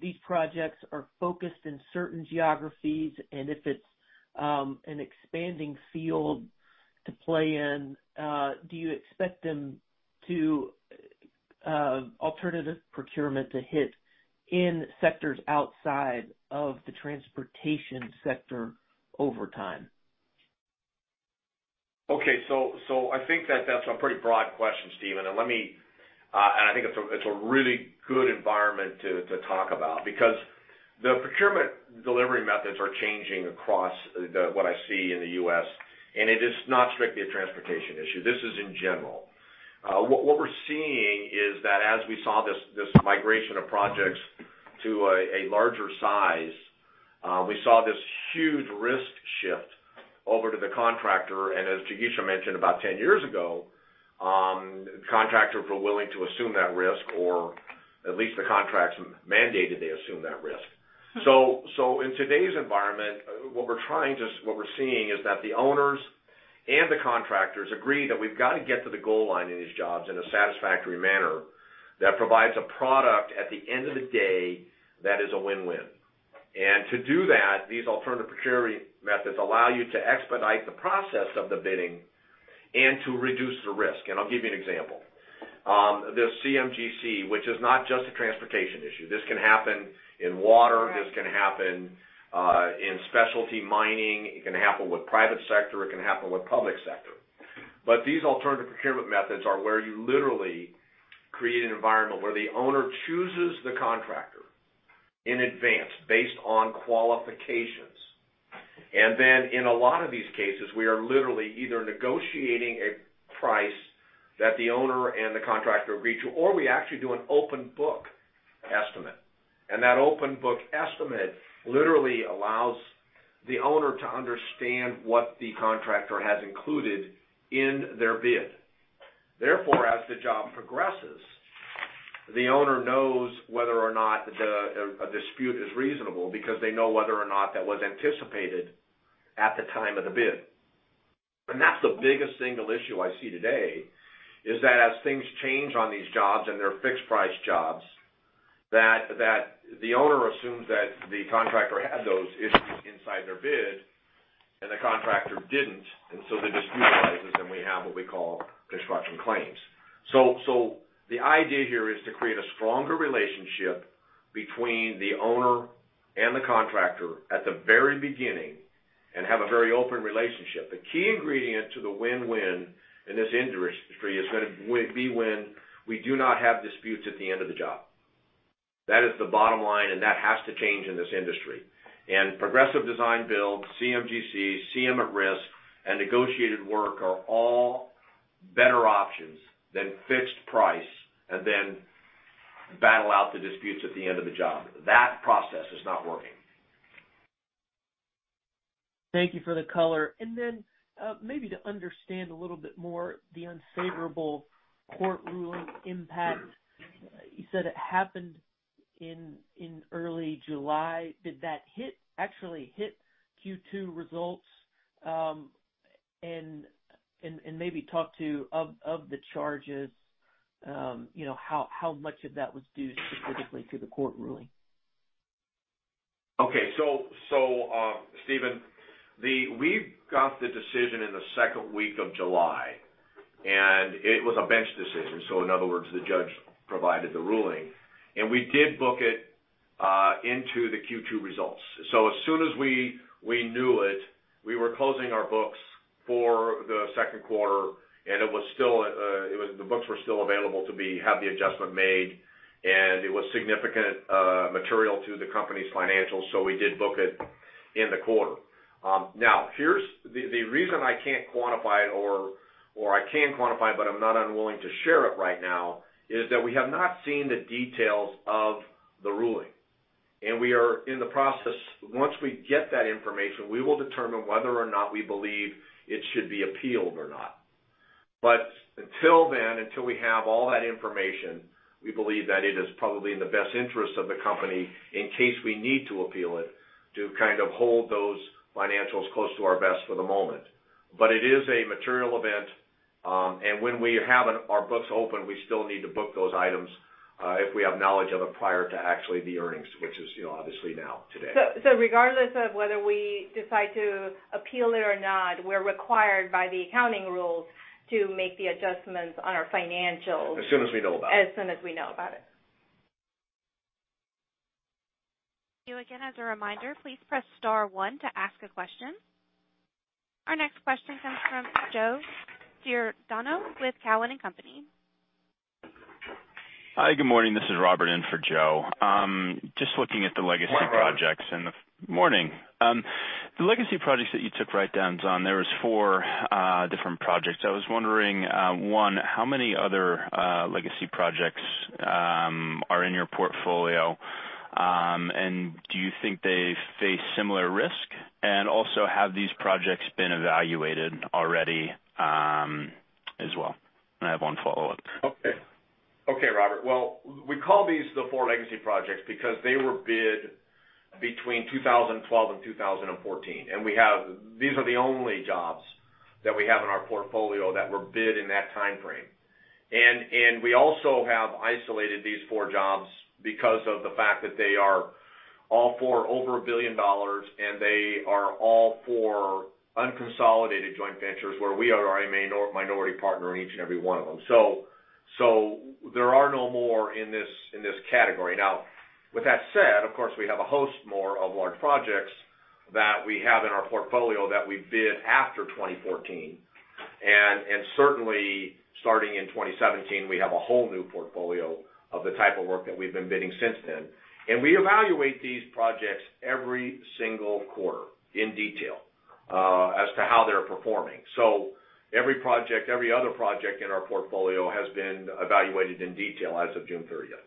these projects are focused in certain geographies and if it's an expanding field to play in. Do you expect alternative procurement to hit in sectors outside of the transportation sector over time? Okay, so I think that that's a pretty broad question, Steven. I think it's a really good environment to talk about because the procurement delivery methods are changing across what I see in the U.S. It is not strictly a transportation issue. This is in general. What we're seeing is that as we saw this migration of projects to a larger size, we saw this huge risk shift over to the contractor. As Dudas mentioned about 10 years ago, contractors were willing to assume that risk, or at least the contracts mandated they assume that risk. So in today's environment, what we're trying to—what we're seeing is that the owners and the contractors agree that we've got to get to the goal line in these jobs in a satisfactory manner that provides a product at the end of the day that is a win-win. And to do that, these alternative procurement methods allow you to expedite the process of the bidding and to reduce the risk. And I'll give you an example. The CM/GC, which is not just a transportation issue. This can happen in water. This can happen in specialty mining. It can happen with private sector. It can happen with public sector. But these alternative procurement methods are where you literally create an environment where the owner chooses the contractor in advance based on qualifications. And then in a lot of these cases, we are literally either negotiating a price that the owner and the contractor agree to, or we actually do an open book estimate. And that open book estimate literally allows the owner to understand what the contractor has included in their bid. Therefore, as the job progresses, the owner knows whether or not a dispute is reasonable because they know whether or not that was anticipated at the time of the bid. And that's the biggest single issue I see today is that as things change on these jobs and they're fixed price jobs, that the owner assumes that the contractor had those inside their bid and the contractor didn't. And so the dispute arises and we have what we call construction claims. So the idea here is to create a stronger relationship between the owner and the contractor at the very beginning and have a very open relationship. The key ingredient to the win-win in this industry is going to be when we do not have disputes at the end of the job. That is the bottom line, and that has to change in this industry. Progressive Design-Build, CM/GC, CM at Risk, and negotiated work are all better options than fixed price and then battle out the disputes at the end of the job. That process is not working. Thank you for the color. Then maybe to understand a little bit more the unfavorable court ruling impact, you said it happened in early July. Did that actually hit Q2 results? And maybe talk about the charges, you know, how much of that was due specifically to the court ruling? Okay, so Steven, we got the decision in the second week of July, and it was a bench decision. So in other words, the judge provided the ruling, and we did book it into the Q2 results. So as soon as we knew it, we were closing our books for the second quarter, and it was still, the books were still available to have the adjustment made, and it was significantly material to the company's financials, so we did book it in the quarter. Now, here's the reason I can't quantify it, or I can quantify it, but I'm not unwilling to share it right now, is that we have not seen the details of the ruling. And we are in the process. Once we get that information, we will determine whether or not we believe it should be appealed or not. But until then, until we have all that information, we believe that it is probably in the best interest of the company in case we need to appeal it to kind of hold those financials close to our vest for the moment. But it is a material event, and when we have our books open, we still need to book those items if we have knowledge of it prior to actually the earnings, which is, you know, obviously now today. So regardless of whether we decide to appeal it or not, we're required by the accounting rules to make the adjustments on our financials. As soon as we know about it. As soon as we know about it. Thank you again as a reminder. Please press star one to ask a question. Our next question comes from Joe Giordano with Cowen and Company. Hi, good morning. This is Robert in for Joe. Just looking at the legacy projects. Good morning. The legacy projects that you took write-downs on, there were four different projects. I was wondering, one, how many other legacy projects are in your portfolio, and do you think they face similar risk? And also, have these projects been evaluated already as well? I have one follow-up. Okay. Okay, Robert. Well, we call these the four legacy projects because they were bid between 2012 and 2014. And we have, these are the only jobs that we have in our portfolio that were bid in that timeframe. We also have isolated these four jobs because of the fact that they are all for over $1 billion, and they are all for unconsolidated joint ventures where we are a minority partner in each and every one of them. So there are no more in this category. Now, with that said, of course, we have a host more of large projects that we have in our portfolio that we bid after 2014. And certainly, starting in 2017, we have a whole new portfolio of the type of work that we've been bidding since then. And we evaluate these projects every single quarter in detail as to how they're performing. So every project, every other project in our portfolio has been evaluated in detail as of June 30th.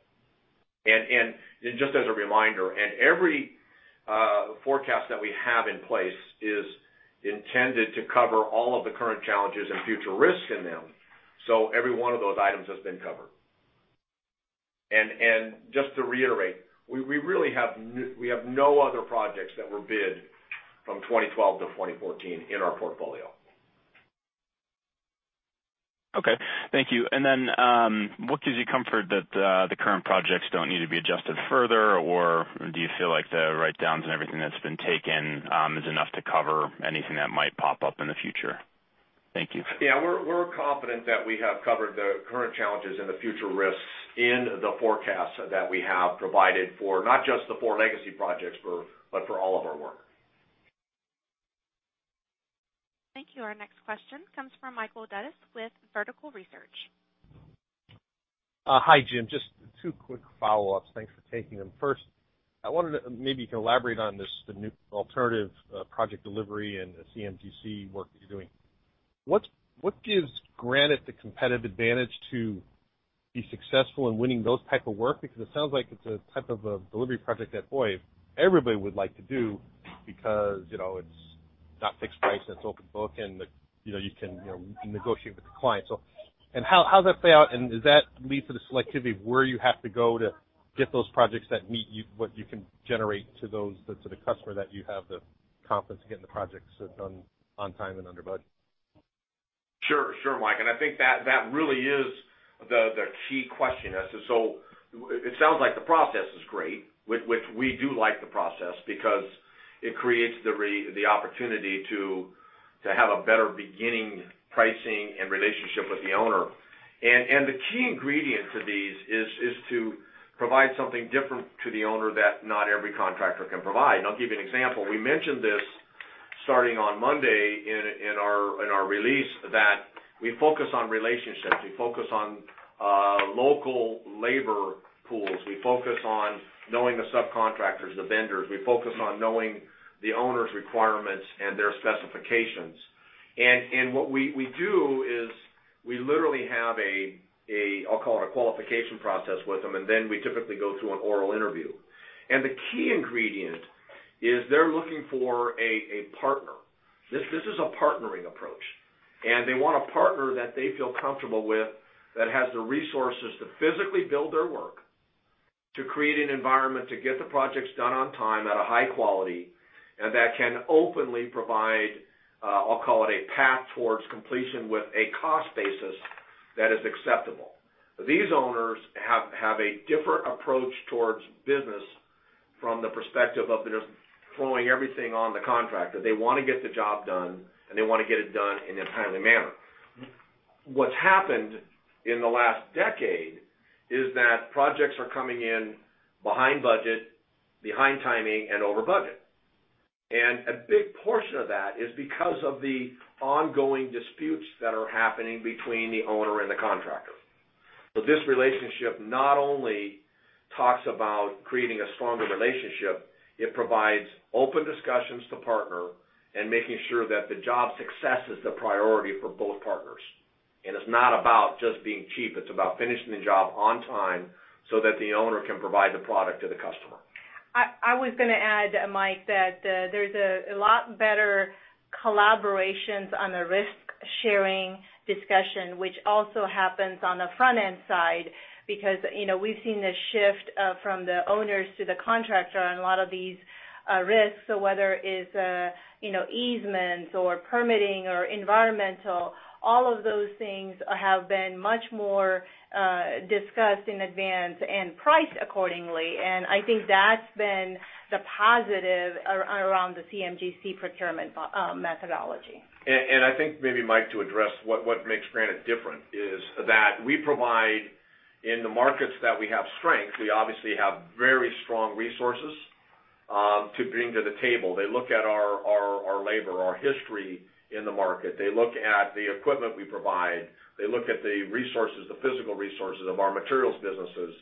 And just as a reminder, every forecast that we have in place is intended to cover all of the current challenges and future risks in them. So every one of those items has been covered. And just to reiterate, we really have no other projects that were bid from 2012-2014 in our portfolio. Okay, thank you. And then what gives you comfort that the current projects don't need to be adjusted further, or do you feel like the write-downs and everything that's been taken is enough to cover anything that might pop up in the future? Thank you. Yeah, we're confident that we have covered the current challenges and the future risks in the forecasts that we have provided for not just the four legacy projects, but for all of our work. Thank you. Our next question comes from Michael Dudas with Vertical Research. Hi, Jim.Just two quick follow-ups. Thanks for taking them. First, I wanted to maybe elaborate on this new alternative project delivery and CM/GC work that you're doing. What gives Granite the competitive advantage to be successful in winning those types of work? Because it sounds like it's a type of a delivery project that, boy, everybody would like to do because it's not fixed price and it's open book and you can negotiate with the client. And how does that play out? And does that lead to the selectivity where you have to go to get those projects that meet what you can generate to the customer that you have the confidence to get the projects done on time and under budget? Sure, sure, Mike. And I think that really is the key question. So it sounds like the process is great, which we do like the process because it creates the opportunity to have a better beginning pricing and relationship with the owner. And the key ingredient to these is to provide something different to the owner that not every contractor can provide. I'll give you an example. We mentioned this starting on Monday in our release that we focus on relationships. We focus on local labor pools. We focus on knowing the subcontractors and the vendors. We focus on knowing the owner's requirements and their specifications. And what we do is we literally have a, I'll call it a qualification process with them, and then we typically go through an oral interview. And the key ingredient is they're looking for a partner. This is a partnering approach. And they want a partner that they feel comfortable with that has the resources to physically build their work, to create an environment to get the projects done on time at a high quality, and that can openly provide, I'll call it a path towards completion with a cost basis that is acceptable. These owners have a different approach toward business from the perspective of just throwing everything on the contractor. They want to get the job done, and they want to get it done in an entirely manner. What's happened in the last decade is that projects are coming in behind budget, behind timing, and over budget. And a big portion of that is because of the ongoing disputes that are happening between the owner and the contractor. So this relationship not only talks about creating a stronger relationship, it provides open discussions to partner and making sure that the job success is the priority for both partners. And it's not about just being cheap. It's about finishing the job on time so that the owner can provide the product to the customer. I was going to add, Mike, that there's a lot better collaborations on the risk-sharing discussion, which also happens on the front-end side because we've seen the shift from the owners to the contractor on a lot of these risks. So whether it's easements or permitting or environmental, all of those things have been much more discussed in advance and priced accordingly. And I think that's been the positive around the CM/GC procurement methodology. I think maybe, Mike, to address what makes Granite different is that we provide in the markets that we have strength. We obviously have very strong resources to bring to the table. They look at our labor, our history in the market. They look at the equipment we provide. They look at the resources, the physical resources of our materials businesses.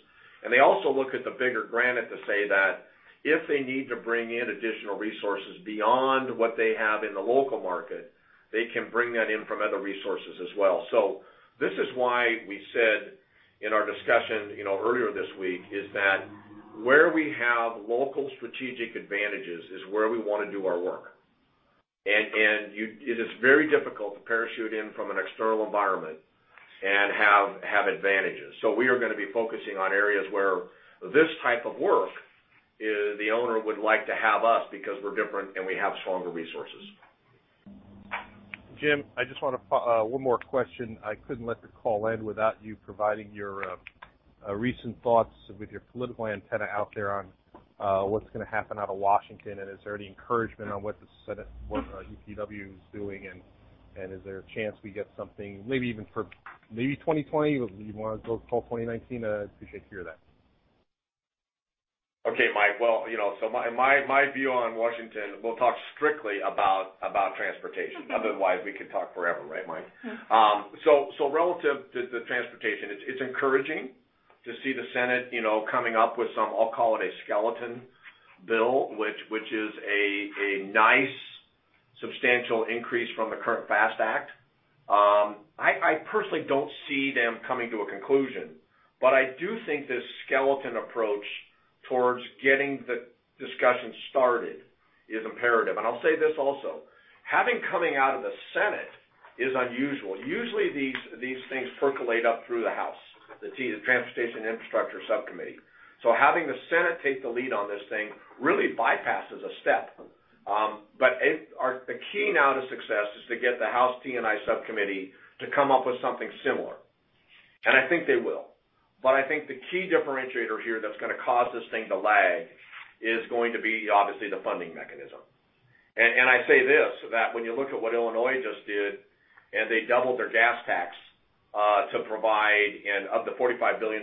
And they also look at the bigger Granite to say that if they need to bring in additional resources beyond what they have in the local market, they can bring that in from other resources as well. So this is why we said in our discussion earlier this week is that where we have local strategic advantages is where we want to do our work. And it is very difficult to parachute in from an external environment and have advantages. So we are going to be focusing on areas where this type of work the owner would like to have us because we're different and we have stronger resources. Jim, I just want one more question. I couldn't let the call end without you providing your recent thoughts with your political antenna out there on what's going to happen out of Washington, and is there any encouragement on what the EPW is doing, and is there a chance we get something maybe even for maybe 2020? You want to go call 2019? I appreciate to hear that. Okay, Mike. Well, you know, so my view on Washington, we'll talk strictly about transportation. Otherwise, we could talk forever, right, Mike? Relative to the transportation, it's encouraging to see the Senate coming up with some, I'll call it a skeleton bill, which is a nice substantial increase from the current FAST Act. I personally don't see them coming to a conclusion, but I do think this skeleton approach towards getting the discussion started is imperative. I'll say this also. Having it coming out of the Senate is unusual. Usually, these things percolate up through the House, the Transportation and Infrastructure Subcommittee. Having the Senate take the lead on this thing really bypasses a step. But the key now to success is to get the House T&I Subcommittee to come up with something similar. And I think they will. But I think the key differentiator here that's going to cause this thing to lag is going to be obviously the funding mechanism. I say this that when you look at what Illinois just did and they doubled their gas tax to provide and of the $45 billion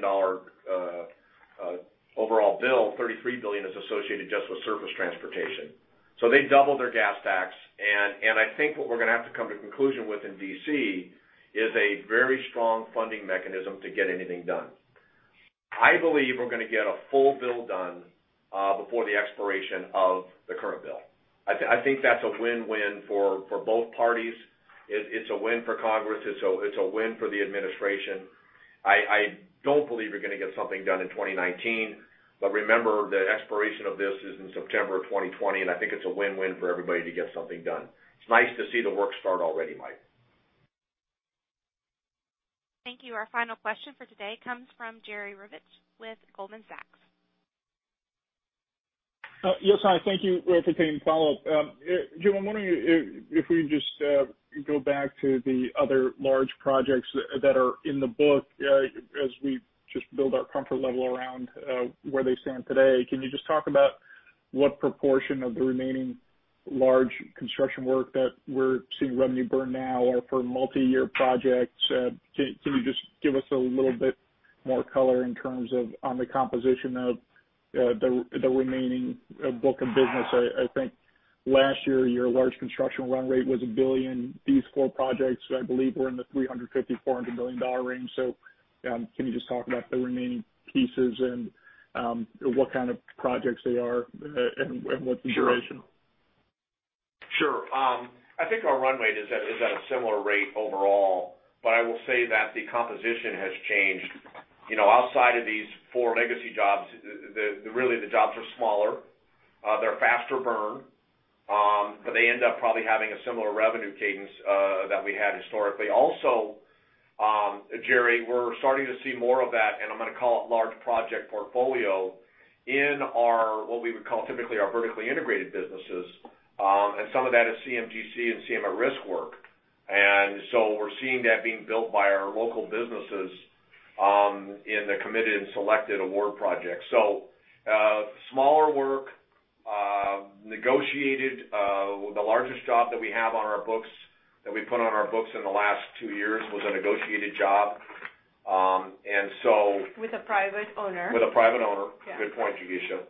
overall bill, $33 billion is associated just with surface transportation. So they doubled their gas tax. I think what we're going to have to come to a conclusion with in D.C. is a very strong funding mechanism to get anything done. I believe we're going to get a full bill done before the expiration of the current bill. I think that's a win-win for both parties. It's a win for Congress. It's a win for the administration. It's a win-win for everybody to get something done. It's nice to see the work start already, Mike. Thank you. Our final question for today comes from Jerry Revich with Goldman Sachs. Yes, hi. Thank you for taking the follow-up. Jim, I'm wondering if we just go back to the other large projects that are in the book as we just build our comfort level around where they stand today. Can you just talk about what proportion of the remaining large construction work that we're seeing revenue burn now are for multi-year projects? Can you just give us a little bit more color in terms of the composition of the remaining book of business? I think last year, your large construction run rate was $1 billion. These four projects, I believe, were in the $350-$400 million range. So can you just talk about the remaining pieces and what kind of projects they are and what the duration? Sure. I think our run rate is at a similar rate overall, but I will say that the composition has changed. Outside of these four legacy jobs, really the jobs are smaller. They're faster burn, but they end up probably having a similar revenue cadence that we had historically. Also, Jerry, we're starting to see more of that, and I'm going to call it large project portfolio in our, what we would call typically our vertically integrated businesses. And some of that is CM/GC and CM at Risk work. And so we're seeing that being built by our local businesses in the committed and awarded projects. So smaller work, negotiated. The largest job that we have on our books that we put on our books in the last two years was a negotiated job. And so. With a private owner. With a private owner. Good point, Jigisha.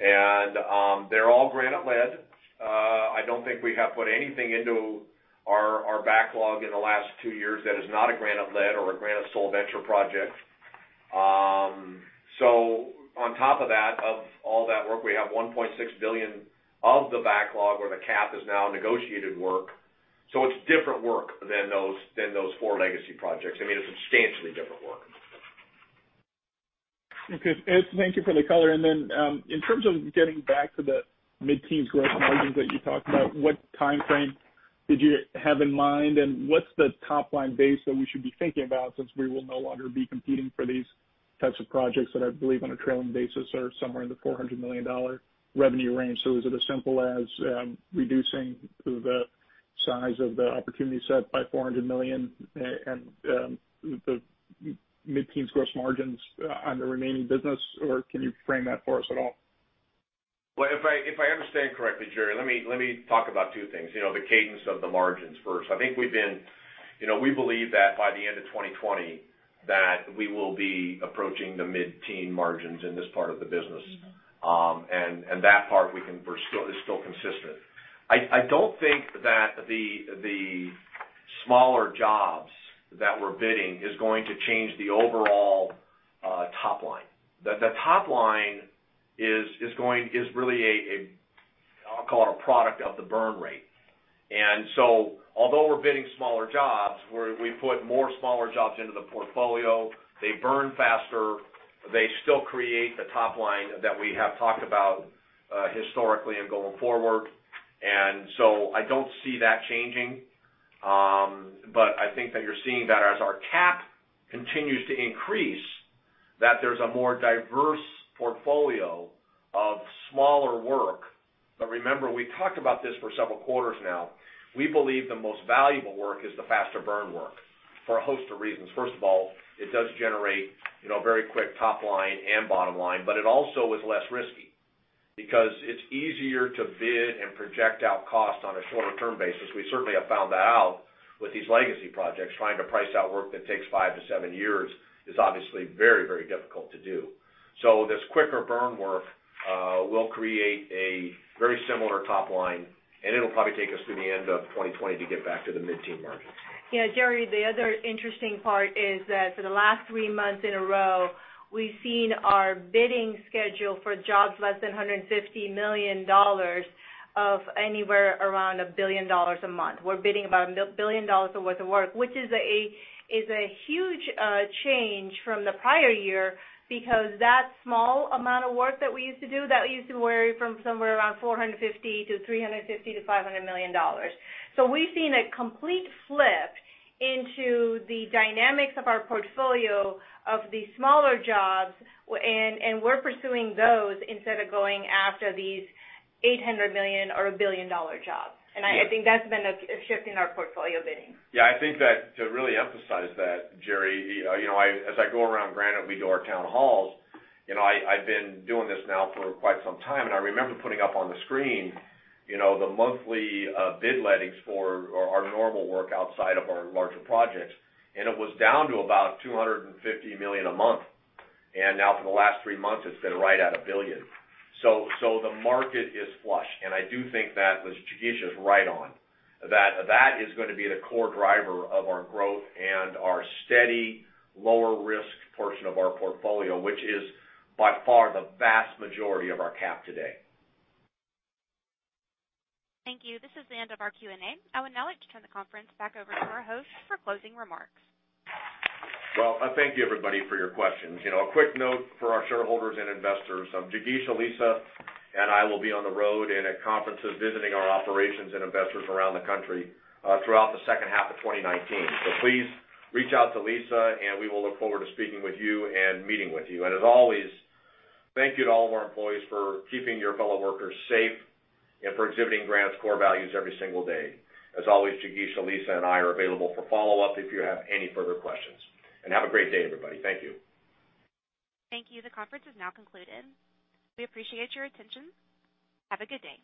And they're all Granite-led. I don't think we have put anything into our backlog in the last 2 years that is not a Granite-led or a Granite sole venture project. So on top of that, of all that work, we have $1.6 billion of the backlog or the CAP is now negotiated work. So it's different work than those 4 legacy projects. I mean, it's substantially different work. Okay. Thank you for the color. And then in terms of getting back to the mid-teens growth and all the things that you talked about, what timeframe did you have in mind? And what's the top line base that we should be thinking about since we will no longer be competing for these types of projects that I believe on a trailing basis are somewhere in the $400 million revenue range? So is it as simple as reducing the size of the opportunity set by $400 million and the mid-teens gross margins on the remaining business, or can you frame that for us at all? Well, if I understand correctly, Jerry, let me talk about two things. The cadence of the margins first. I think we've been, we believe that by the end of 2020, that we will be approaching the mid-teens margins in this part of the business. And that part, we can still, is still consistent. I don't think that the smaller jobs that we're bidding is going to change the overall top line. The top line is really a, I'll call it a product of the burn rate. And so although we're bidding smaller jobs, we put more smaller jobs into the portfolio. They burn faster. They still create the top line that we have talked about historically and going forward. And so I don't see that changing. But I think that you're seeing that as our cap continues to increase, that there's a more diverse portfolio of smaller work. But remember, we've talked about this for several quarters now. We believe the most valuable work is the faster burn work for a host of reasons. First of all, it does generate very quick top line and bottom line, but it also is less risky because it's easier to bid and project out cost on a shorter-term basis. We certainly have found that out with these legacy projects. Trying to price out work that takes 5-7 years is obviously very, very difficult to do. So this quicker burn work will create a very similar top line, and it'll probably take us through the end of 2020 to get back to the mid-teens market. Yeah, Jerry, the other interesting part is that for the last 3 months in a row, we've seen our bidding schedule for jobs less than $150 million of anywhere around $1 billion a month. We're bidding about $1 billion worth of work, which is a huge change from the prior year because that small amount of work that we used to do, that used to be worried from somewhere around $450 million to $350 million to $500 million. So we've seen a complete flip into the dynamics of our portfolio of the smaller jobs, and we're pursuing those instead of going after these $800 million or $1 billion jobs. And I think that's been a shift in our portfolio bidding. Yeah, I think that to really emphasize that, Jerry, as I go around Granite, we go to our town halls. I've been doing this now for quite some time, and I remember putting up on the screen the monthly bid lettings for our normal work outside of our larger projects, and it was down to about $250 million a month. And now for the last three months, it's been right at $1 billion. So the market is flush. And I do think that was Jigisha's right on. That is going to be the core driver of our growth and our steady lower risk portion of our portfolio, which is by far the vast majority of our cap today. Thank you. This is the end of our Q&A. I would now like to turn the conference back over to our host for closing remarks. Well, thank you, everybody, for your questions. A quick note for our shareholders and investors. Jigisha, Lisa, and I will be on the road and at conferences visiting our operations and investors around the country throughout the second half of 2019. So please reach out to Lisa, and we will look forward to speaking with you and meeting with you. As always, thank you to all of our employees for keeping your fellow workers safe and for exhibiting Granite's core values every single day. As always, Jigisha, Lisa, and I are available for follow-up if you have any further questions. Have a great day, everybody. Thank you. Thank you. The conference is now concluded. We appreciate your attention. Have a good day.